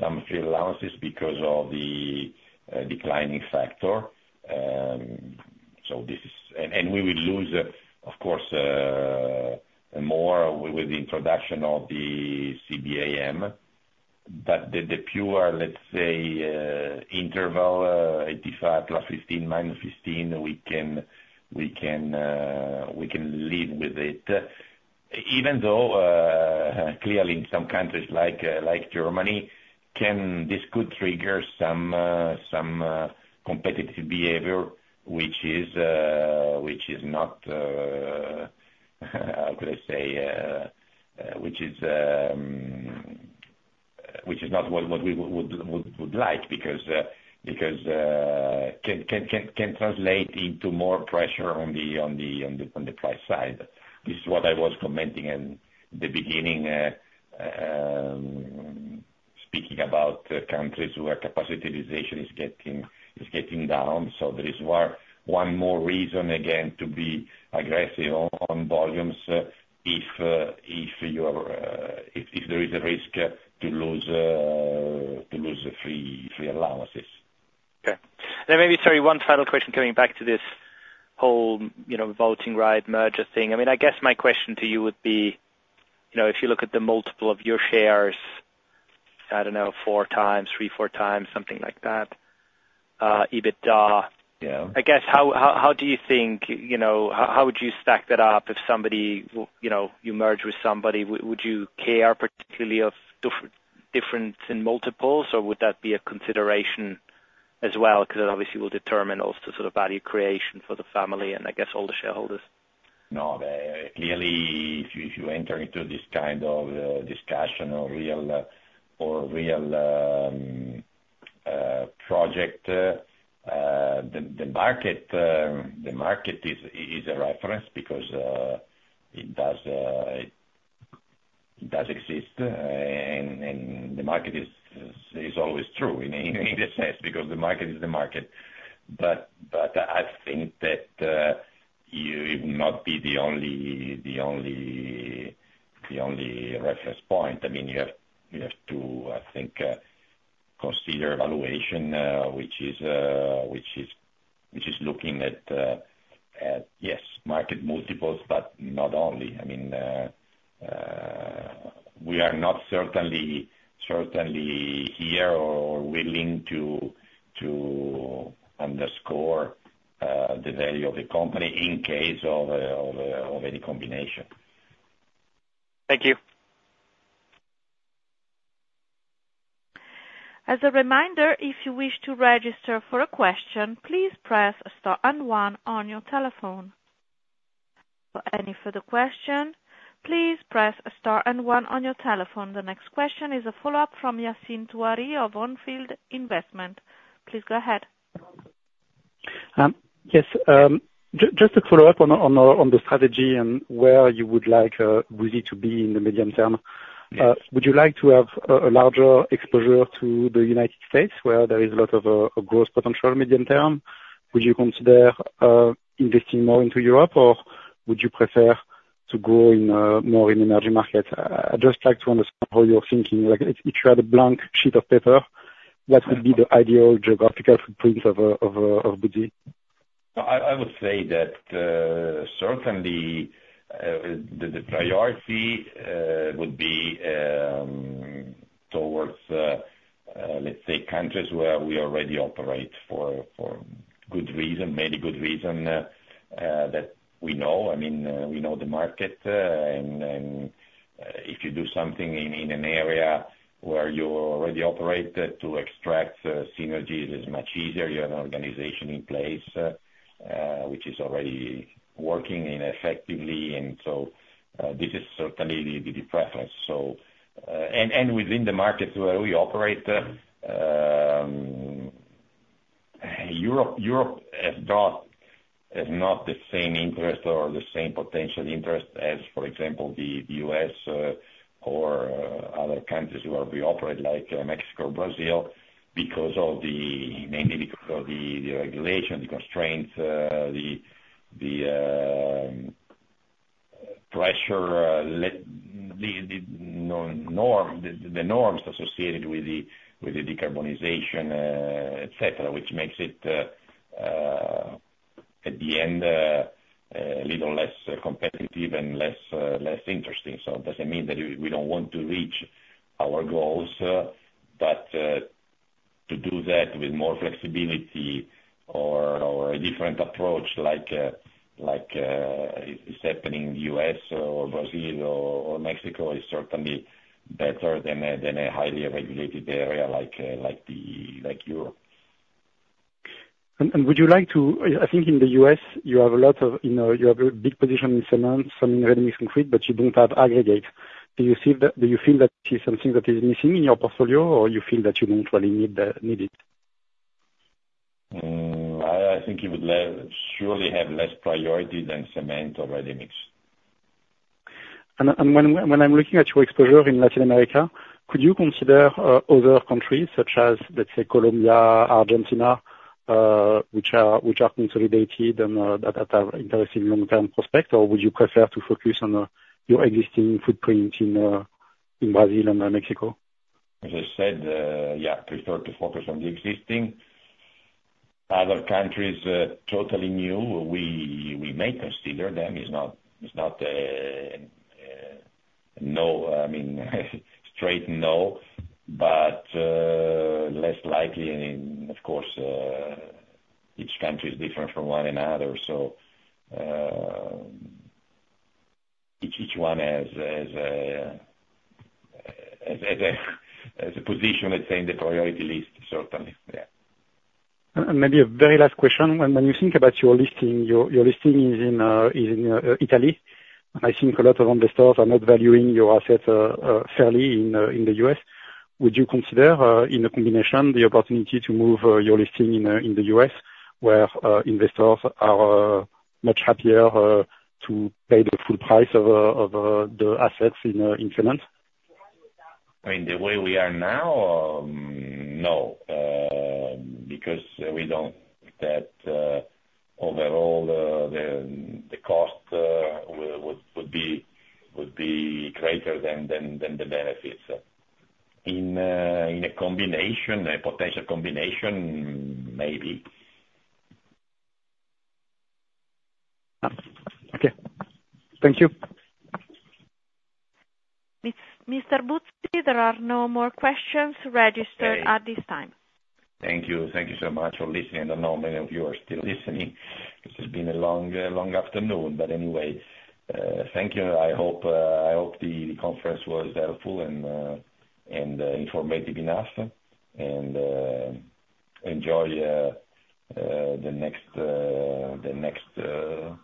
some free allowances because of the declining factor. And we will lose, of course, more with the introduction of the CBAM. But the pure, let's say, interval 85 +15, -15, we can live with it. Even though, clearly, in some countries like Germany, this could trigger some competitive behavior, which is not how could I say? Which is not what we would like because can translate into more pressure on the price side. This is what I was commenting in the beginning, speaking about countries where capacity utilization is getting down. So there is one more reason, again, to be aggressive on volumes if you are if there is a risk to lose free allowances. Okay. And then maybe, sorry, one final question coming back to this whole voting rights, merger thing. I mean, I guess my question to you would be, if you look at the multiple of your shares, I don't know, 4x, 3, 4x, something like that, EBITDA, I guess, how do you think how would you stack that up if somebody you merge with somebody? Would you care particularly of difference in multiples? Or would that be a consideration as well? Because it obviously will determine also sort of value creation for the family and, I guess, all the shareholders. No, clearly, if you enter into this kind of discussion or real project, the market is a reference because it does exist. And the market is always true in a sense because the market is the market. But I think that you will not be the only reference point. I mean, you have to, I think, consider valuation, which is looking at, yes, market multiples, but not only. I mean, we are not certainly here or willing to underscore the value of the company in case of any combination. Thank you. As a reminder, if you wish to register for a question, please press star and one on your telephone. For any further question, please press star and one on your telephone. The next question is a follow-up from Yassine Touahri of On Field Investment. Please go ahead. Yes. Just to follow up on the strategy and where you would like Buzzi to be in the medium term, would you like to have a larger exposure to the United States where there is a lot of growth potential medium term? Would you consider investing more into Europe? Or would you prefer to grow more in emerging markets? I'd just like to understand how you're thinking. If you had a blank sheet of paper, what would be the ideal geographical footprint of Buzzi? I would say that certainly, the priority would be towards, let's say, countries where we already operate for good reason, many good reasons, that we know. I mean, we know the market. If you do something in an area where you already operate, to extract synergies is much easier. You have an organization in place which is already working effectively. So this is certainly the preference. And within the markets where we operate, Europe has not the same interest or the same potential interest as, for example, the U.S. or other countries where we operate, like Mexico or Brazil, mainly because of the regulation, the constraints, the pressure, the norms associated with the decarbonization, etc., which makes it, at the end, a little less competitive and less interesting. So it doesn't mean that we don't want to reach our goals. But to do that with more flexibility or a different approach, like is happening in the U.S. or Brazil or Mexico, is certainly better than a highly regulated area like Europe. And would you like to? I think in the U.S., you have a big position in cement, some in ready-mix concrete, but you don't have aggregate. Do you feel that it is something that is missing in your portfolio? Or you feel that you don't really need it? I think you would surely have less priority than cement or ready-mix. And when I'm looking at your exposure in Latin America, could you consider other countries such as, let's say, Colombia, Argentina, which are consolidated and that have interesting long-term prospects? Or would you prefer to focus on your existing footprint in Brazil and Mexico? As I said, yeah, prefer to focus on the existing. Other countries totally new, we may consider them. It's not a straight no. But less likely. And of course, each country is different from one another. So each one has a position, let's say, in the priority list, certainly. Yeah. And maybe a very last question. When you think about your listing, your listing is in Italy. I think a lot of investors are not valuing your assets fairly in the U.S. Would you consider, in a combination, the opportunity to move your listing in the U.S. where investors are much happier to pay the full price of the assets in cement? I mean, the way we are now, no, because we don't. That overall, the cost would be greater than the benefits. In a potential combination, maybe. Okay. Thank you. Mr. Buzzi, there are no more questions registered at this time. Thank you. Thank you so much for listening. I don't know how many of you are still listening. This has been a long afternoon. Anyway, thank you. I hope the conference was helpful and informative enough. Enjoy the next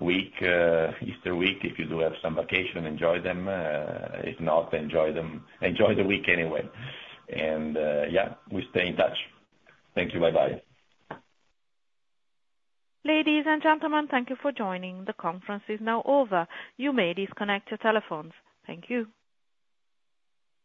week, Easter week, if you do have some vacation. Enjoy them. If not, enjoy the week anyway. Yeah, we stay in touch. Thank you. Bye-bye. Ladies and gentlemen, thank you for joining. The conference is now over. You may disconnect your telephones. Thank you.